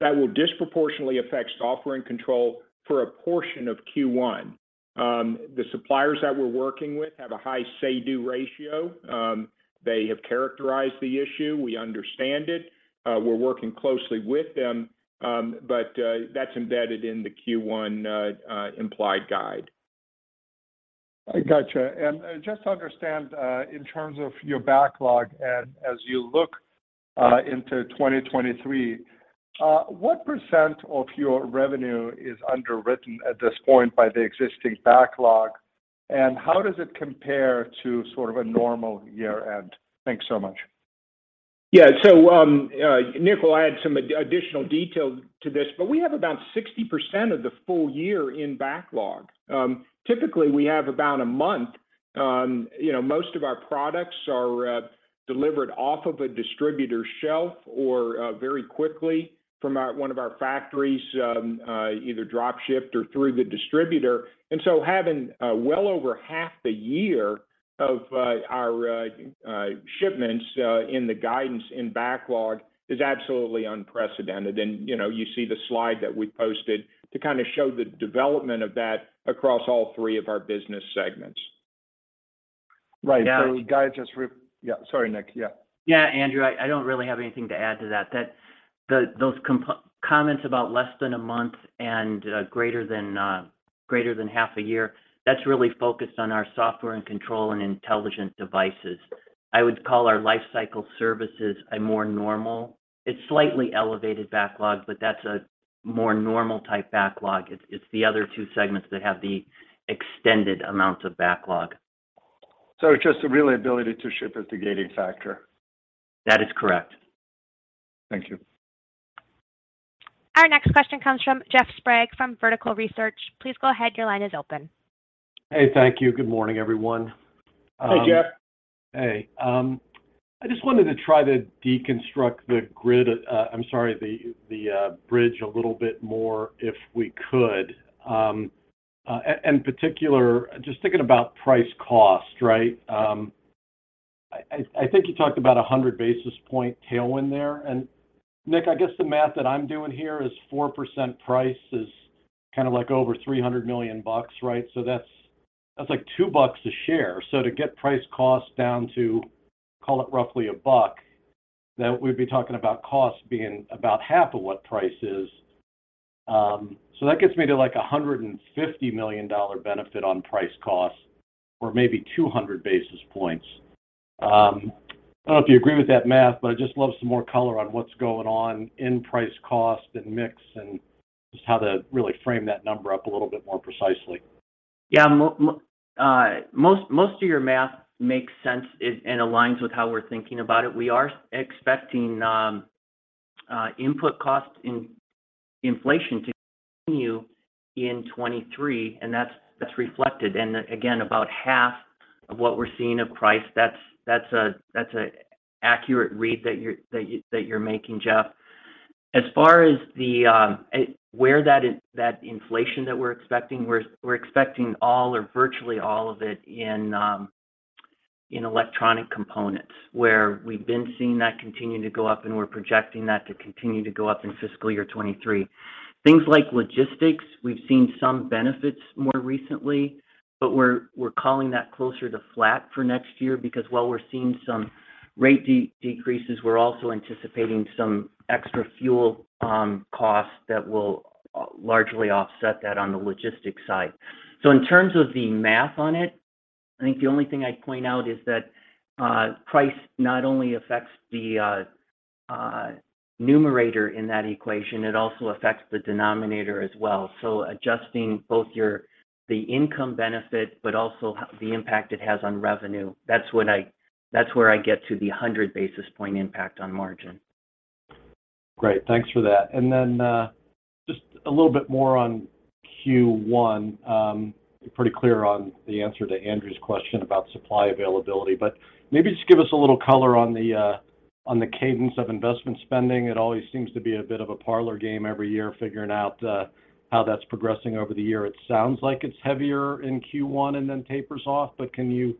Speaker 3: that will disproportionately affect software and control for a portion of Q1. The suppliers that we're working with have a high say-do ratio. They have characterized the issue. We understand it. We're working closely with them, but that's embedded in the Q1 implied guide.
Speaker 6: Gotcha. Just to understand, in terms of your backlog and as you look into 2023, what percent of your revenue is underwritten at this point by the existing backlog, and how does it compare to sort of a normal year-end? Thanks so much.
Speaker 3: Yeah. Nick will add some additional detail to this, but we have about 60% of the full year in backlog. Typically, we have about a month. You know, most of our products are delivered off of a distributor shelf or very quickly from one of our factories, either drop-shipped or through the distributor. Having well over half the year of our shipments in the guidance, in backlog is absolutely unprecedented. You know, you see the slide that we posted to kinda show the development of that across all three of our business segments.
Speaker 6: Right. Guys, yeah, sorry, Nick. Yeah.
Speaker 4: Yeah. Andrew, I don't really have anything to add to that. Those comments about less than a month and greater than half a year, that's really focused on our software and control and intelligent devices. I would call our lifecycle services a more normal. It's slightly elevated backlog, but that's a more normal type backlog. It's the other two segments that have the extended amounts of backlog.
Speaker 3: Just the real ability to ship is the gating factor.
Speaker 4: That is correct.
Speaker 3: Thank you.
Speaker 1: Our next question comes from Jeff Sprague from Vertical Research. Please go ahead, your line is open.
Speaker 7: Hey, thank you. Good morning, everyone.
Speaker 3: Hey, Jeff.
Speaker 7: Hey. I just wanted to try to deconstruct the bridge a little bit more if we could. In particular, just thinking about price cost, right? I think you talked about 100 basis point tailwind there. Nick, I guess the math that I'm doing here is 4% price is kind of like over $300 million, right? That's like $2 a share. To get price cost down to, call it roughly $1, then we'd be talking about cost being about half of what price is. That gets me to like $150 million benefit on price cost or maybe 200 basis points. I don't know if you agree with that math, but I'd just love some more color on what's going on in price, cost, and mix, and just how to really frame that number up a little bit more precisely.
Speaker 4: Yeah. Most of your math makes sense and aligns with how we're thinking about it. We are expecting input costs inflation to continue in 2023, and that's reflected. Again, about half of what we're seeing of price, that's an accurate read that you're making, Jeff. Where that is, that inflation that we're expecting, we're expecting all or virtually all of it in electronic components, where we've been seeing that continue to go up and we're projecting that to continue to go up in fiscal year 2023. Things like logistics, we've seen some benefits more recently, but we're calling that closer to flat for next year because while we're seeing some rate decreases, we're also anticipating some extra fuel costs that will largely offset that on the logistics side. In terms of the math on it, I think the only thing I'd point out is that price not only affects the numerator in that equation, it also affects the denominator as well. Adjusting both the income benefit, but also the impact it has on revenue. That's where I get to the 100 basis point impact on margin.
Speaker 7: Great, thanks for that. Just a little bit more on Q1. You're pretty clear on the answer to Andrew's question about supply availability. Maybe just give us a little color on the cadence of investment spending. It always seems to be a bit of a parlor game every year figuring out how that's progressing over the year. It sounds like it's heavier in Q1 and then tapers off, but can you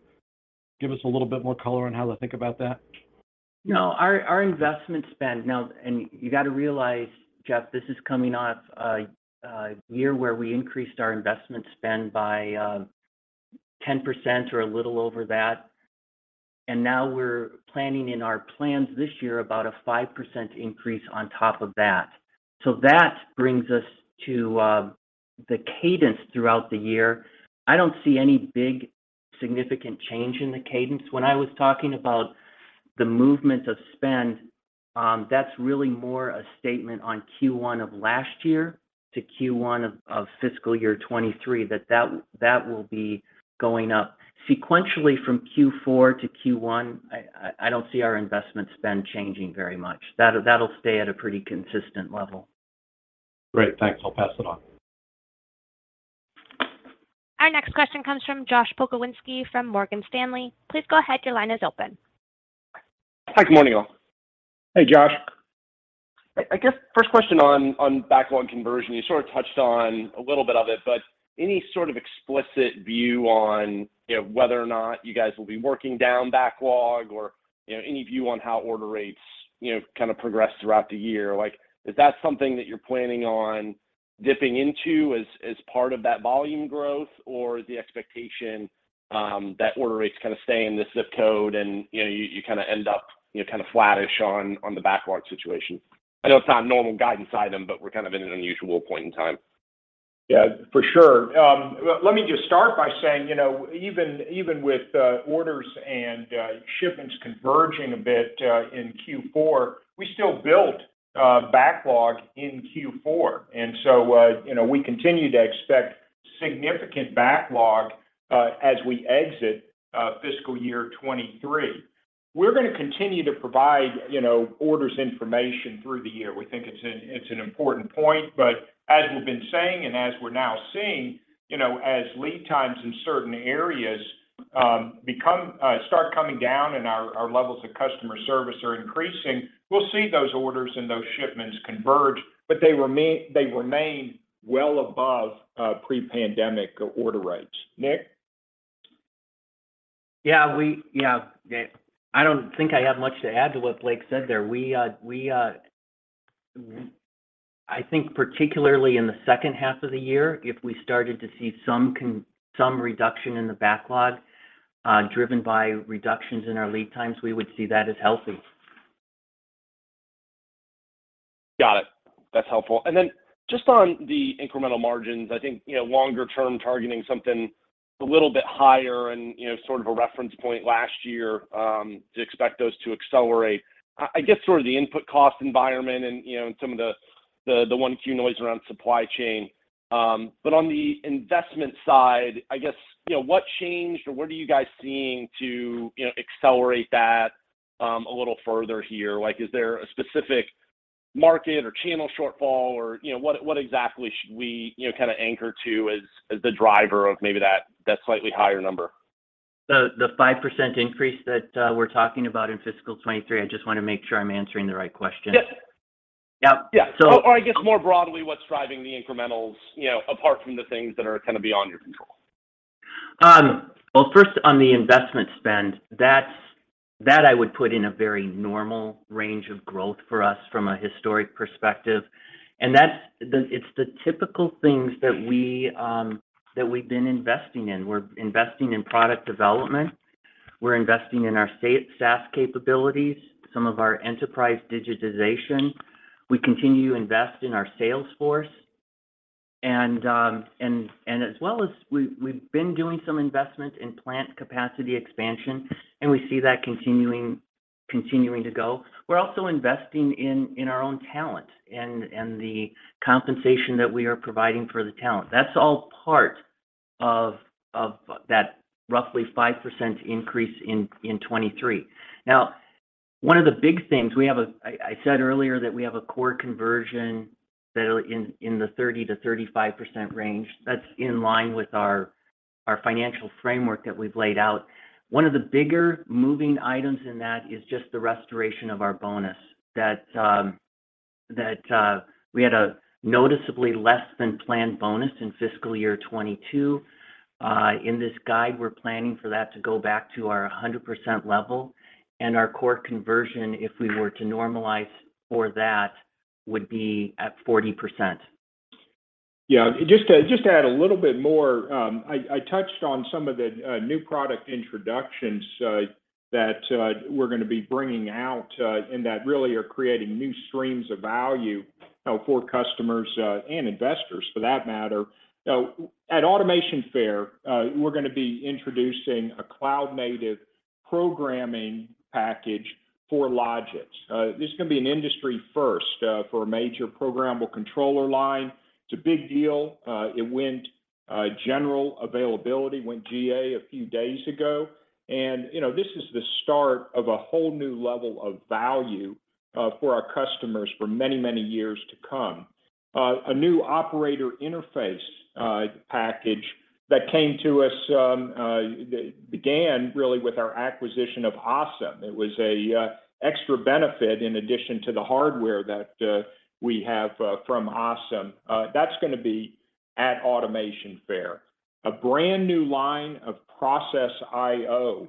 Speaker 7: give us a little bit more color on how to think about that?
Speaker 4: No, our investment spend now. You gotta realize, Jeff, this is coming off a year where we increased our investment spend by 10% or a little over that. Now we're planning in our plans this year about a 5% increase on top of that. That brings us to the cadence throughout the year. I don't see any big significant change in the cadence. When I was talking about the movement of spend, that's really more a statement on Q1 of last year to Q1 of fiscal year 2023, that will be going up. Sequentially from Q4 to Q1, I don't see our investment spend changing very much. That'll stay at a pretty consistent level.
Speaker 7: Great. Thanks. I'll pass it on.
Speaker 1: Our next question comes from Josh Pokrzywinski from Morgan Stanley. Please go ahead, your line is open.
Speaker 8: Hi, good morning, all.
Speaker 3: Hey, Josh.
Speaker 8: I guess first question on backlog conversion. You sort of touched on a little bit of it, but any sort of explicit view on, you know, whether or not you guys will be working down backlog or, you know, any view on how order rates, you know, kind of progress throughout the year? Like is that something that you're planning on dipping into as part of that volume growth? Or is the expectation that order rates kind of stay in this ZIP code and, you know, you kind of end up, you know, kind of flattish on the backlog situation? I know it's not a normal guidance item, but we're kind of in an unusual point in time.
Speaker 3: Yeah, for sure. Let me just start by saying, you know, even with orders and shipments converging a bit in Q4, we still built backlog in Q4. We continue to expect significant backlog as we exit fiscal year 2023. We're gonna continue to provide, you know, orders information through the year. We think it's an important point. As we've been saying and as we're now seeing, you know, as lead times in certain areas start coming down and our levels of customer service are increasing, we'll see those orders and those shipments converge, but they remain well above pre-pandemic order rates. Nick?
Speaker 4: Yeah, I don't think I have much to add to what Blake said there. I think particularly in the second half of the year, if we started to see some reduction in the backlog, driven by reductions in our lead times, we would see that as healthy.
Speaker 8: Got it. That's helpful. Just on the incremental margins, I think, you know, longer term targeting something. A little bit higher, you know, sort of a reference point last year to expect those to accelerate. I guess sort of the input cost environment and, you know, and some of the 1Q noise around supply chain. On the investment side, I guess, you know, what changed or what are you guys seeing to, you know, accelerate that a little further here? Like, is there a specific market or channel shortfall? Or, you know, what exactly should we, you know, kind of anchor to as the driver of maybe that slightly higher number?
Speaker 4: The 5% increase that we're talking about in fiscal 2023, I just wanna make sure I'm answering the right question.
Speaker 8: Yes.
Speaker 4: Yeah.
Speaker 8: Yeah.
Speaker 4: So-
Speaker 8: I guess more broadly, what's driving the incrementals, you know, apart from the things that are kind of beyond your control?
Speaker 4: Well, first on the investment spend, I would put that in a very normal range of growth for us from a historical perspective. It's the typical things that we've been investing in. We're investing in product development, we're investing in our SaaS capabilities, some of our enterprise digitization. We continue to invest in our sales force. As well as we've been doing some investment in plant capacity expansion, and we see that continuing to go. We're also investing in our own talent and the compensation that we are providing for the talent. That's all part of that roughly 5% increase in 2023. Now, one of the big things, I said earlier that we have a core conversion that are in the 30%-35% range. That's in line with our financial framework that we've laid out. One of the bigger moving items in that is just the restoration of our bonus, that we had a noticeably less than planned bonus in fiscal year 2022. In this guide, we're planning for that to go back to our 100% level, and our core conversion, if we were to normalize for that, would be at 40%.
Speaker 3: Yeah. Just to add a little bit more, I touched on some of the new product introductions that we're gonna be bringing out, and that really are creating new streams of value for customers and investors for that matter. At Automation Fair, we're gonna be introducing a cloud native programming package for Logix. This is gonna be an industry first for a major programmable controller line. It's a big deal. It went GA a few days ago. You know, this is the start of a whole new level of value for our customers for many, many years to come. A new operator interface package that came to us began really with our acquisition of ASEM. It was an extra benefit in addition to the hardware that we have from ASEM. That's gonna be at Automation Fair. A brand new line of process IO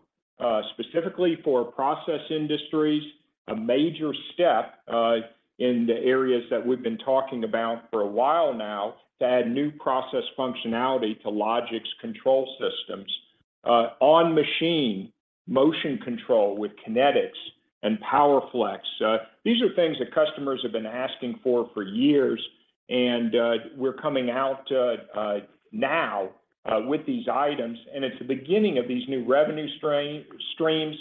Speaker 3: specifically for process industries, a major step in the areas that we've been talking about for a while now to add new process functionality to Logix control systems. On machine motion control with Kinetix and PowerFlex. These are things that customers have been asking for years, and we're coming out now with these items, and it's the beginning of these new revenue streams.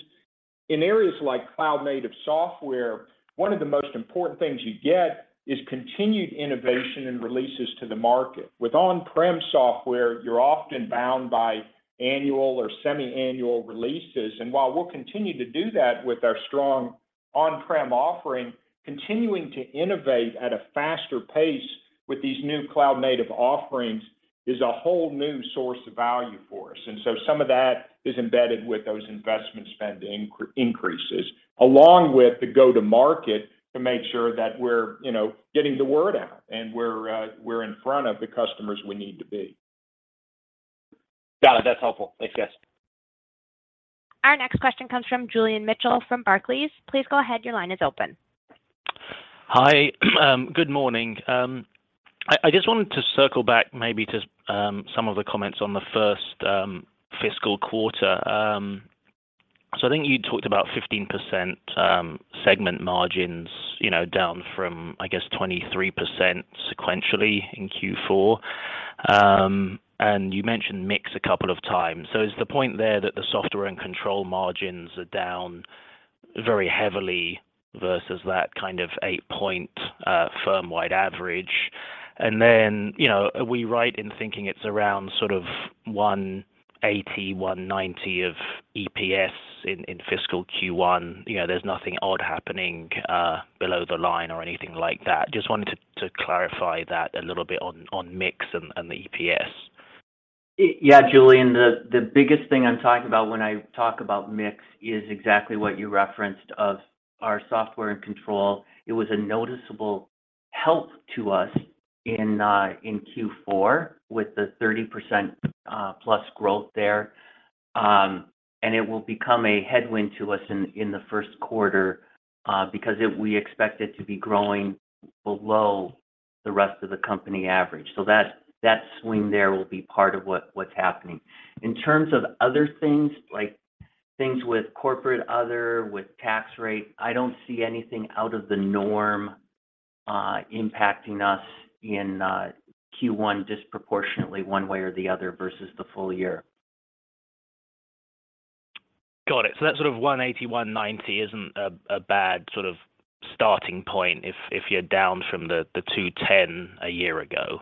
Speaker 3: In areas like cloud native software, one of the most important things you get is continued innovation and releases to the market. With on-prem software, you're often bound by annual or semi-annual releases. While we'll continue to do that with our strong on-prem offering, continuing to innovate at a faster pace with these new cloud native offerings is a whole new source of value for us. Some of that is embedded with those investment spend increases, along with the go-to-market to make sure that we're, you know, getting the word out and we're in front of the customers we need to be.
Speaker 8: Got it. That's helpful. Thanks, guys.
Speaker 1: Our next question comes from Julian Mitchell from Barclays. Please go ahead, your line is open.
Speaker 9: Hi. Good morning. I just wanted to circle back maybe to some of the comments on the first fiscal quarter. I think you talked about 15% segment margins, you know, down from, I guess, 23% sequentially in Q4. You mentioned mix a couple of times. Is the point there that the software and control margins are down very heavily versus that kind of 8-point firm-wide average? You know, are we right in thinking it's around sort of $1.80-$1.90 of EPS in fiscal Q1? You know, there's nothing odd happening below the line or anything like that. Just wanted to clarify that a little bit on mix and the EPS.
Speaker 4: Yeah, Julian. The biggest thing I'm talking about when I talk about mix is exactly what you referenced of our software and control. It was a noticeable help to us in Q4 with the 30% plus growth there. It will become a headwind to us in the first quarter because we expect it to be growing below the rest of the company average. That swing there will be part of what's happening. In terms of other things, like things with corporate other, with tax rate, I don't see anything out of the norm. Impacting us in Q1 disproportionately one way or the other versus the full year.
Speaker 9: Got it. That sort of $1.80-$1.90 isn't a bad sort of starting point if you're down from the $2.10 a year ago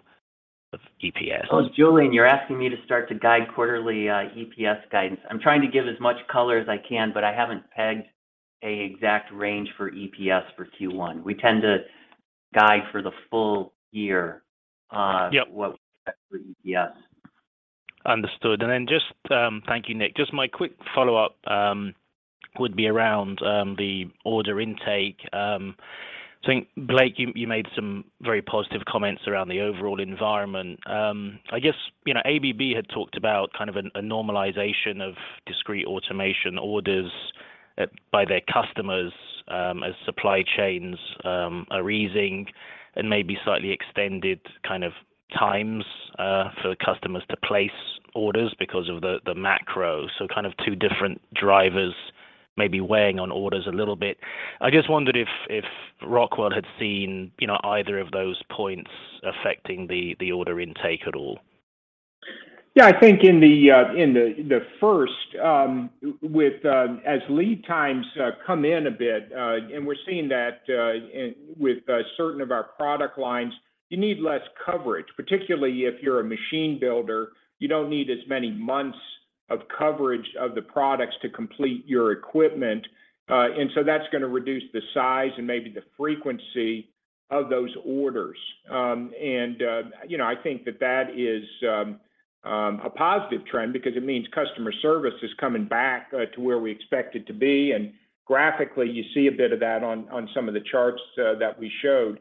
Speaker 9: of EPS.
Speaker 4: Well, Julian, you're asking me to start to guide quarterly EPS guidance. I'm trying to give as much color as I can, but I haven't pegged an exact range for EPS for Q1. We tend to guide for the full year.
Speaker 9: Yep
Speaker 4: What we expect for EPS.
Speaker 9: Understood. Thank you, Nick. Just my quick follow-up would be around the order intake. I think, Blake, you made some very positive comments around the overall environment. I guess, you know, ABB had talked about kind of a normalization of discrete automation orders by their customers as supply chains are easing and maybe slightly extended kind of times for the customers to place orders because of the macro. Kind of two different drivers maybe weighing on orders a little bit. I just wondered if Rockwell had seen, you know, either of those points affecting the order intake at all.
Speaker 3: Yeah. I think in the first with as lead times come in a bit and we're seeing that in certain of our product lines, you need less coverage, particularly if you're a machine builder. You don't need as many months of coverage of the products to complete your equipment. And so that's gonna reduce the size and maybe the frequency of those orders. You know, I think that is a positive trend because it means customer service is coming back to where we expect it to be. Graphically, you see a bit of that on some of the charts that we showed.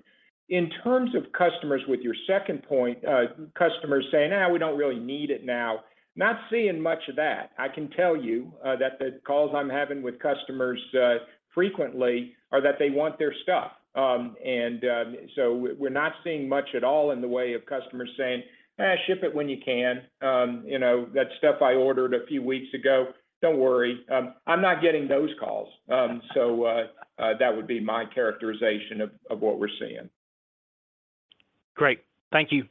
Speaker 3: In terms of customers with your second point, customers saying, "we don't really need it now," not seeing much of that. I can tell you that the calls I'm having with customers frequently are that they want their stuff. We're not seeing much at all in the way of customers saying, "ship it when you can." You know, "That stuff I ordered a few weeks ago, don't worry." I'm not getting those calls. That would be my characterization of what we're seeing.
Speaker 9: Great. Thank you.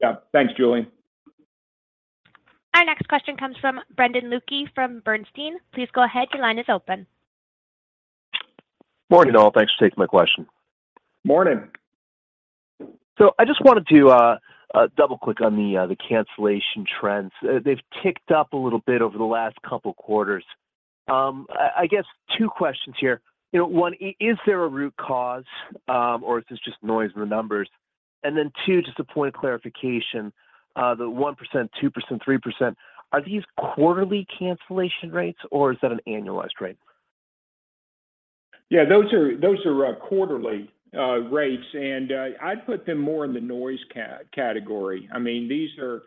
Speaker 3: Yeah. Thanks, Julian.
Speaker 1: Our next question comes from Brendan Luecke from Bernstein. Please go ahead, your line is open.
Speaker 10: Morning, all. Thanks for taking my question.
Speaker 3: Morning.
Speaker 10: I just wanted to double-click on the cancellation trends. They've ticked up a little bit over the last couple quarters. I guess two questions here. You know, one, is there a root cause or is this just noise in the numbers? Two, just a point of clarification, the 1%, 2%, 3%, are these quarterly cancellation rates or is that an annualized rate?
Speaker 3: Yeah. Those are quarterly rates, and I'd put them more in the noise category. I mean, these are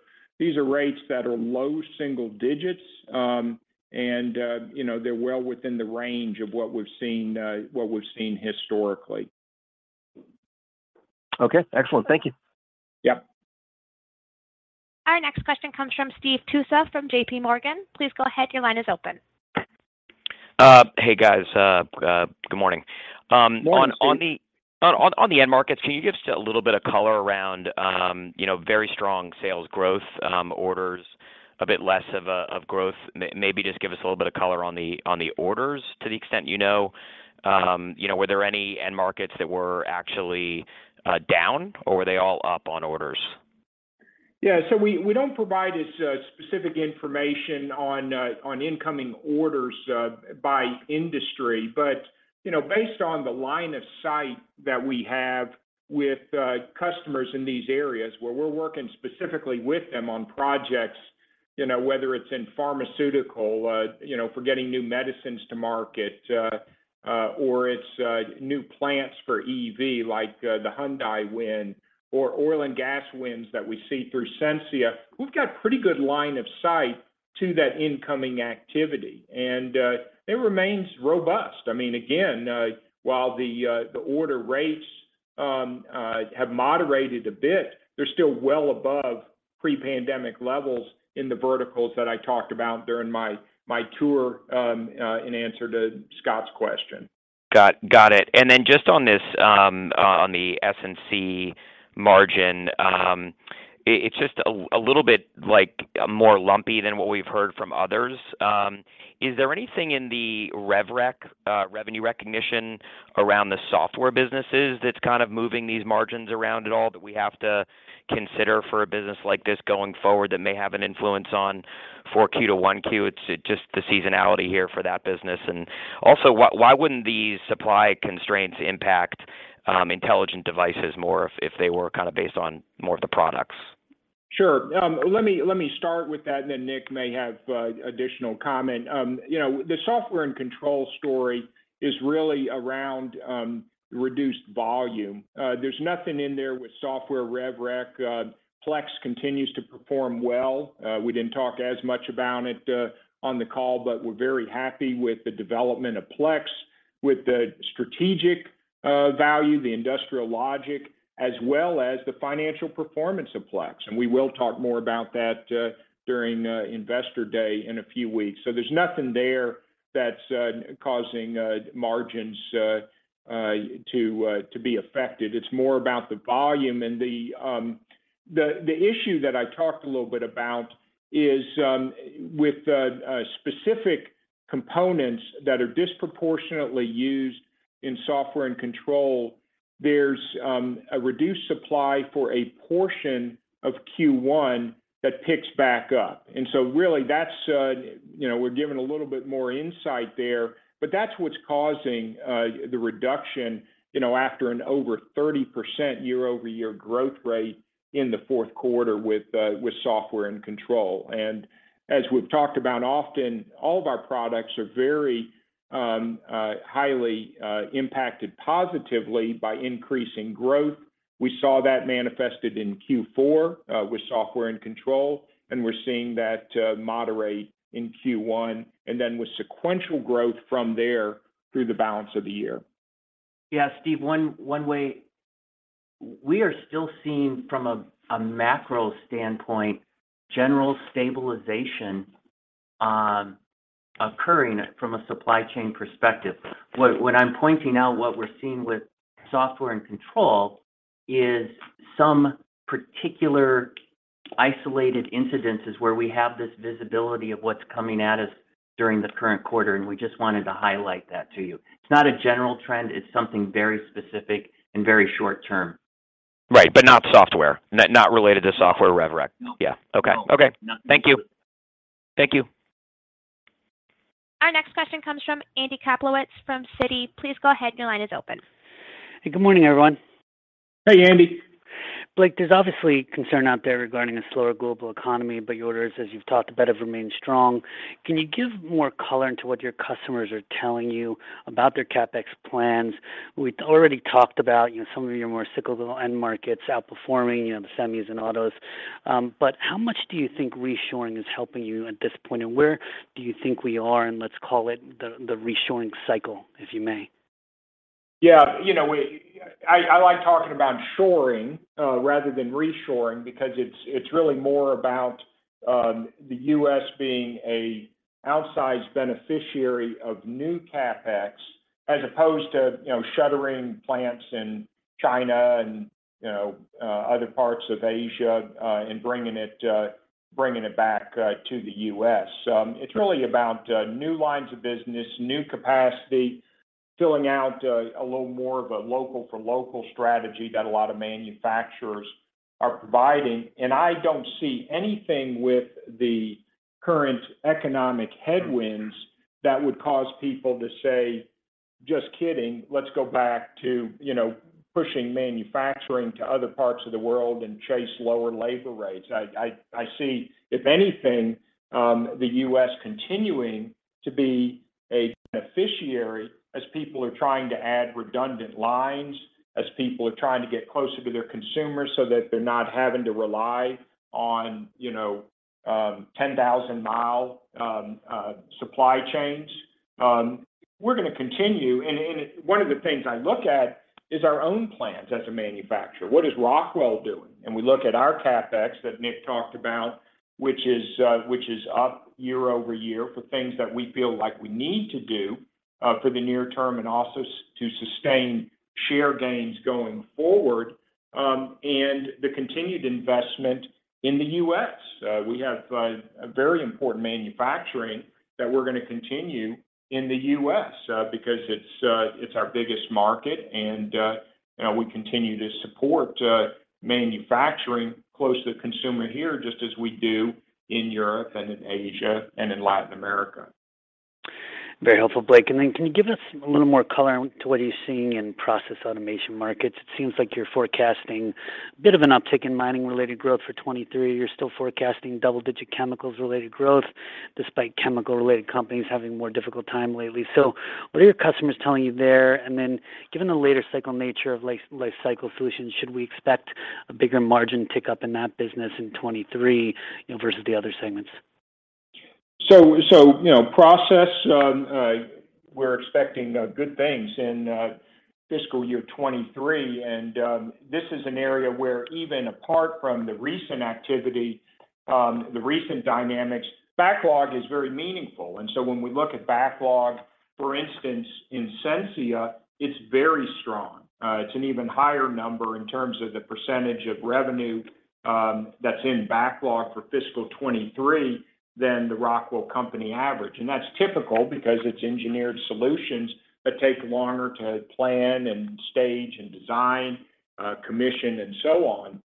Speaker 3: rates that are low single digits. You know, they're well within the range of what we've seen historically.
Speaker 10: Okay. Excellent. Thank you.
Speaker 3: Yep.
Speaker 1: Our next question comes from Steve Tusa from JPMorgan. Please go ahead, your line is open.
Speaker 11: Hey, guys. Good morning.
Speaker 3: Morning, Steve.
Speaker 11: On the end markets, can you give us a little bit of color around, you know, very strong sales growth, orders a bit less of a growth? Maybe just give us a little bit of color on the orders to the extent you know. You know, were there any end markets that were actually down or were they all up on orders?
Speaker 3: We don't provide specific information on incoming orders by industry. But, you know, based on the line of sight that we have with customers in these areas where we're working specifically with them on projects, you know, whether it's in pharmaceutical, you know, for getting new medicines to market, or it's new plants for EV like the Hyundai win or oil and gas wins that we see through Sensia, we've got pretty good line of sight to that incoming activity, and it remains robust. I mean, again, while the order rates have moderated a bit, they're still well above pre-pandemic levels in the verticals that I talked about during my tour in answer to Scott's question.
Speaker 11: Got it. Then just on this, on the S&C margin, it's just a little bit like more lumpy than what we've heard from others. Is there anything in the rev rec, revenue recognition around the software businesses that's kind of moving these margins around at all that we have to consider for a business like this going forward that may have an influence on 4Q to 1Q? It's just the seasonality here for that business. Also, why wouldn't these supply constraints impact intelligent devices more if they were kind of based on more of the products?
Speaker 3: Sure. Let me start with that, and then Nick may have additional comment. You know, the software and control story is really around reduced volume. There's nothing in there with software rev rec. Plex continues to perform well. We didn't talk as much about it on the call, but we're very happy with the development of Plex, with the strategic value, the industrial Logix, as well as the financial performance of Plex. We will talk more about that during Investor Day in a few weeks. There's nothing there that's causing margins to be affected. It's more about the volume and the issue that I talked a little bit about is with the specific components that are disproportionately used in software and control, there's a reduced supply for a portion of Q1 that picks back up. Really that's, you know, we're giving a little bit more insight there, but that's what's causing the reduction, you know, after an over 30% year-over-year growth rate in the fourth quarter with software and control. As we've talked about often, all of our products are very highly impacted positively by increasing growth. We saw that manifested in Q4 with software and control, and we're seeing that moderate in Q1, and then with sequential growth from there through the balance of the year.
Speaker 4: Yeah, Steve, one way we are still seeing, from a macro standpoint, general stabilization occurring from a supply chain perspective. What I'm pointing out, what we're seeing with software and control is some particular isolated incidences where we have this visibility of what's coming at us during the current quarter, and we just wanted to highlight that to you. It's not a general trend, it's something very specific and very short term.
Speaker 11: Right. Not software. Not related to software, rev rec.
Speaker 4: No.
Speaker 11: Yeah. Okay. Okay. Thank you. Thank you.
Speaker 1: Our next question comes from Andy Kaplowitz from Citi. Please go ahead, your line is open.
Speaker 12: Good morning, everyone.
Speaker 3: Hey, Andy.
Speaker 12: Blake, there's obviously concern out there regarding a slower global economy, but your orders, as you've talked about, have remained strong. Can you give more color into what your customers are telling you about their CapEx plans? We already talked about, you know, some of your more cyclical end markets outperforming, you know, the semis and autos. But how much do you think reshoring is helping you at this point? And where do you think we are in, let's call it the reshoring cycle, if you may?
Speaker 3: Yeah. You know, I like talking about shoring rather than reshoring because it's really more about the U.S. being an outsized beneficiary of new CapEx as opposed to, you know, shuttering plants in China and, you know, other parts of Asia and bringing it back to the U.S. It's really about new lines of business, new capacity, filling out a little more of a local for local strategy that a lot of manufacturers are providing. I don't see anything with the current economic headwinds that would cause people to say, "Just kidding, let's go back to, you know, pushing manufacturing to other parts of the world and chase lower labor rates." I see, if anything, the U.S. continuing to be a beneficiary as people are trying to add redundant lines, as people are trying to get closer to their consumers so that they're not having to rely on, you know, 10,000 mile supply chains. We're gonna continue. One of the things I look at is our own plans as a manufacturer. What is Rockwell doing? We look at our CapEx that Nick talked about, which is up year-over-year for things that we feel like we need to do for the near term and also to sustain share gains going forward, and the continued investment in the U.S. We have a very important manufacturing that we're gonna continue in the U.S., because it's our biggest market and, you know, we continue to support manufacturing close to the consumer here just as we do in Europe and in Asia and in Latin America.
Speaker 12: Very helpful, Blake. Then can you give us a little more color to what you're seeing in process automation markets? It seems like you're forecasting a bit of an uptick in mining-related growth for 2023. You're still forecasting double-digit chemicals-related growth despite chemical-related companies having a more difficult time lately. What are your customers telling you there? Then given the latter cycle nature of life cycle solutions, should we expect a bigger margin tick up in that business in 2023, you know, versus the other segments?
Speaker 3: You know, we're expecting good things in fiscal year 2023. This is an area where even apart from the recent activity, the recent dynamics, backlog is very meaningful. When we look at backlog, for instance, in Sensia, it's very strong. It's an even higher number in terms of the percentage of revenue that's in backlog for fiscal year 2023 than the Rockwell Company average. That's typical because it's engineered solutions that take longer to plan and stage and design, commission and so on.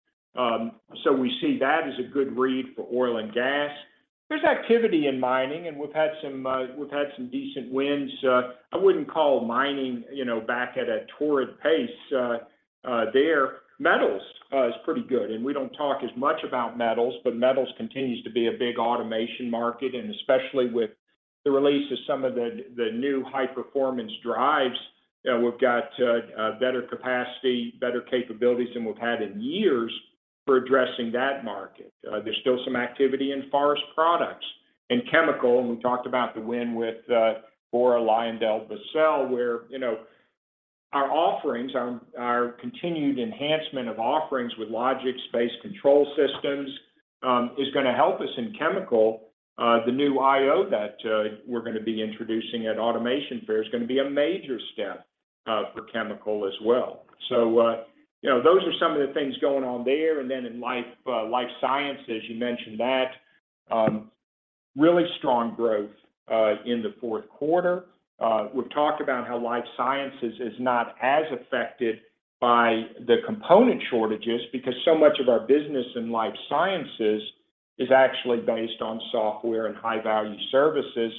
Speaker 3: We see that as a good read for oil and gas. There's activity in mining, and we've had some decent wins. I wouldn't call mining, you know, back at a torrid pace. Metals is pretty good, and we don't talk as much about metals, but metals continues to be a big automation market, and especially with the release of some of the new high-performance drives, we've got better capacity, better capabilities than we've had in years for addressing that market. There's still some activity in forest products. In chemicals, and we talked about the win with Bora LyondellBasell, where you know, our continued enhancement of offerings with Logix-based control systems is gonna help us in chemicals. The new IO that we're gonna be introducing at Automation Fair is gonna be a major step up for chemicals as well. You know, those are some of the things going on there, and then in life sciences, you mentioned that really strong growth in the fourth quarter. We've talked about how life sciences is not as affected by the component shortages because so much of our business in life sciences is actually based on software and high-value services.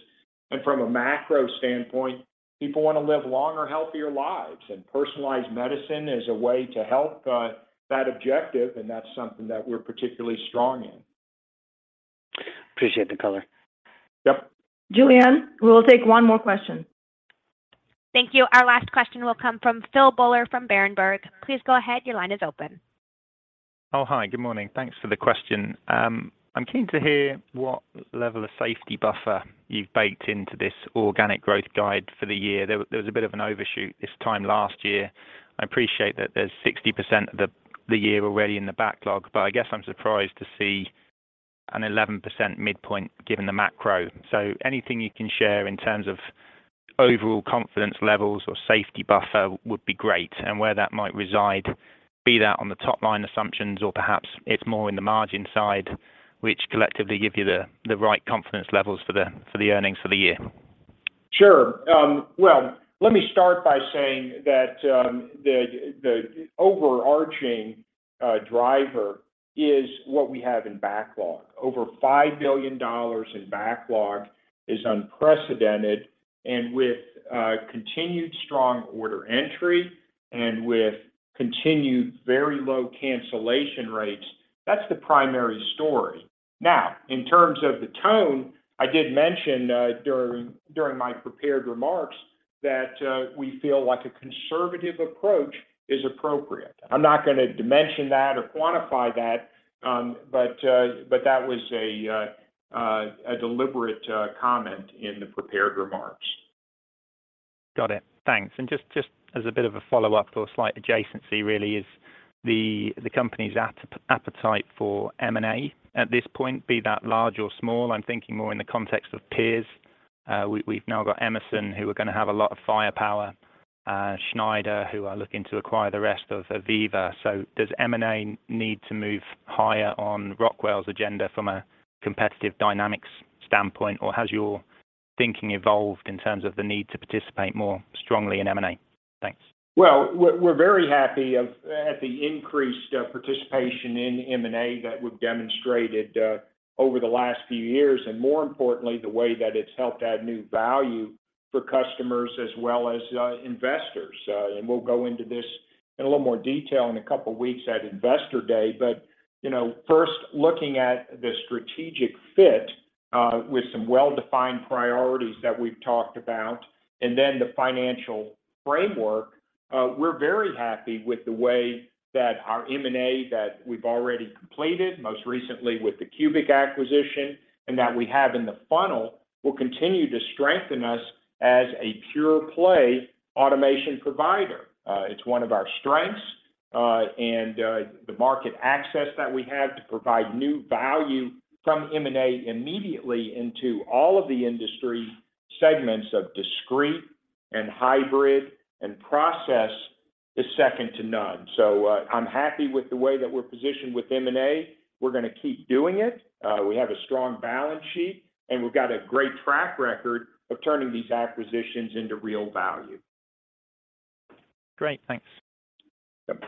Speaker 3: From a macro standpoint, people wanna live longer, healthier lives, and personalized medicine is a way to help that objective, and that's something that we're particularly strong in.
Speaker 12: Appreciate the color.
Speaker 3: Yep.
Speaker 2: Julianne, we will take one more question.
Speaker 1: Thank you. Our last question will come from Phil Buller from Berenberg. Please go ahead, your line is open.
Speaker 13: Good morning. Thanks for the question. I'm keen to hear what level of safety buffer you've baked into this organic growth guide for the year. There was a bit of an overshoot this time last year. I appreciate that there's 60% of the year already in the backlog, but I guess I'm surprised to see an 11% midpoint given the macro. Anything you can share in terms of overall confidence levels or safety buffer would be great, and where that might reside, be that on the top-line assumptions or perhaps it's more in the margin side, which collectively give you the right confidence levels for the earnings for the year.
Speaker 3: Sure. Well, let me start by saying that the overarching driver is what we have in backlog. Over $5 billion in backlog is unprecedented, and with continued strong order entry and with continued very low cancellation rates, that's the primary story. Now, in terms of the tone, I did mention during my prepared remarks that we feel like a conservative approach is appropriate. I'm not gonna dimension that or quantify that, but that was a deliberate comment in the prepared remarks.
Speaker 13: Got it. Thanks. Just as a bit of a follow-up or slight adjacency, really is the company's appetite for M&A at this point, be that large or small. I'm thinking more in the context of peers. We've now got Emerson, who are gonna have a lot of firepower, Schneider, who are looking to acquire the rest of AVEVA. Does M&A need to move higher on Rockwell's agenda from a competitive dynamics standpoint, or has your thinking evolved in terms of the need to participate more strongly in M&A? Thanks.
Speaker 3: Well, we're very happy at the increased participation in M&A that we've demonstrated over the last few years, and more importantly, the way that it's helped add new value for customers as well as investors. We'll go into this in a little more detail in a couple of weeks at Investor Day. You know, first looking at the strategic fit with some well-defined priorities that we've talked about, and then the financial framework, we're very happy with the way that our M&A that we've already completed, most recently with the CUBIC acquisition and that we have in the funnel, will continue to strengthen us as a pure play automation provider. It's one of our strengths, and the market access that we have to provide new value from M&A immediately into all of the industry segments of discrete and hybrid and process is second to none. I'm happy with the way that we're positioned with M&A. We're gonna keep doing it. We have a strong balance sheet, and we've got a great track record of turning these acquisitions into real value.
Speaker 13: Great. Thanks.
Speaker 3: Yep.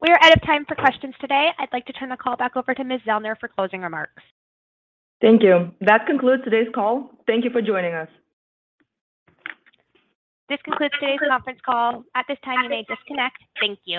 Speaker 1: We're out of time for questions today. I'd like to turn the call back over to Ms. Zellner for closing remarks.
Speaker 2: Thank you. That concludes today's call. Thank you for joining us.
Speaker 1: This concludes today's conference call. At this time, you may disconnect. Thank you.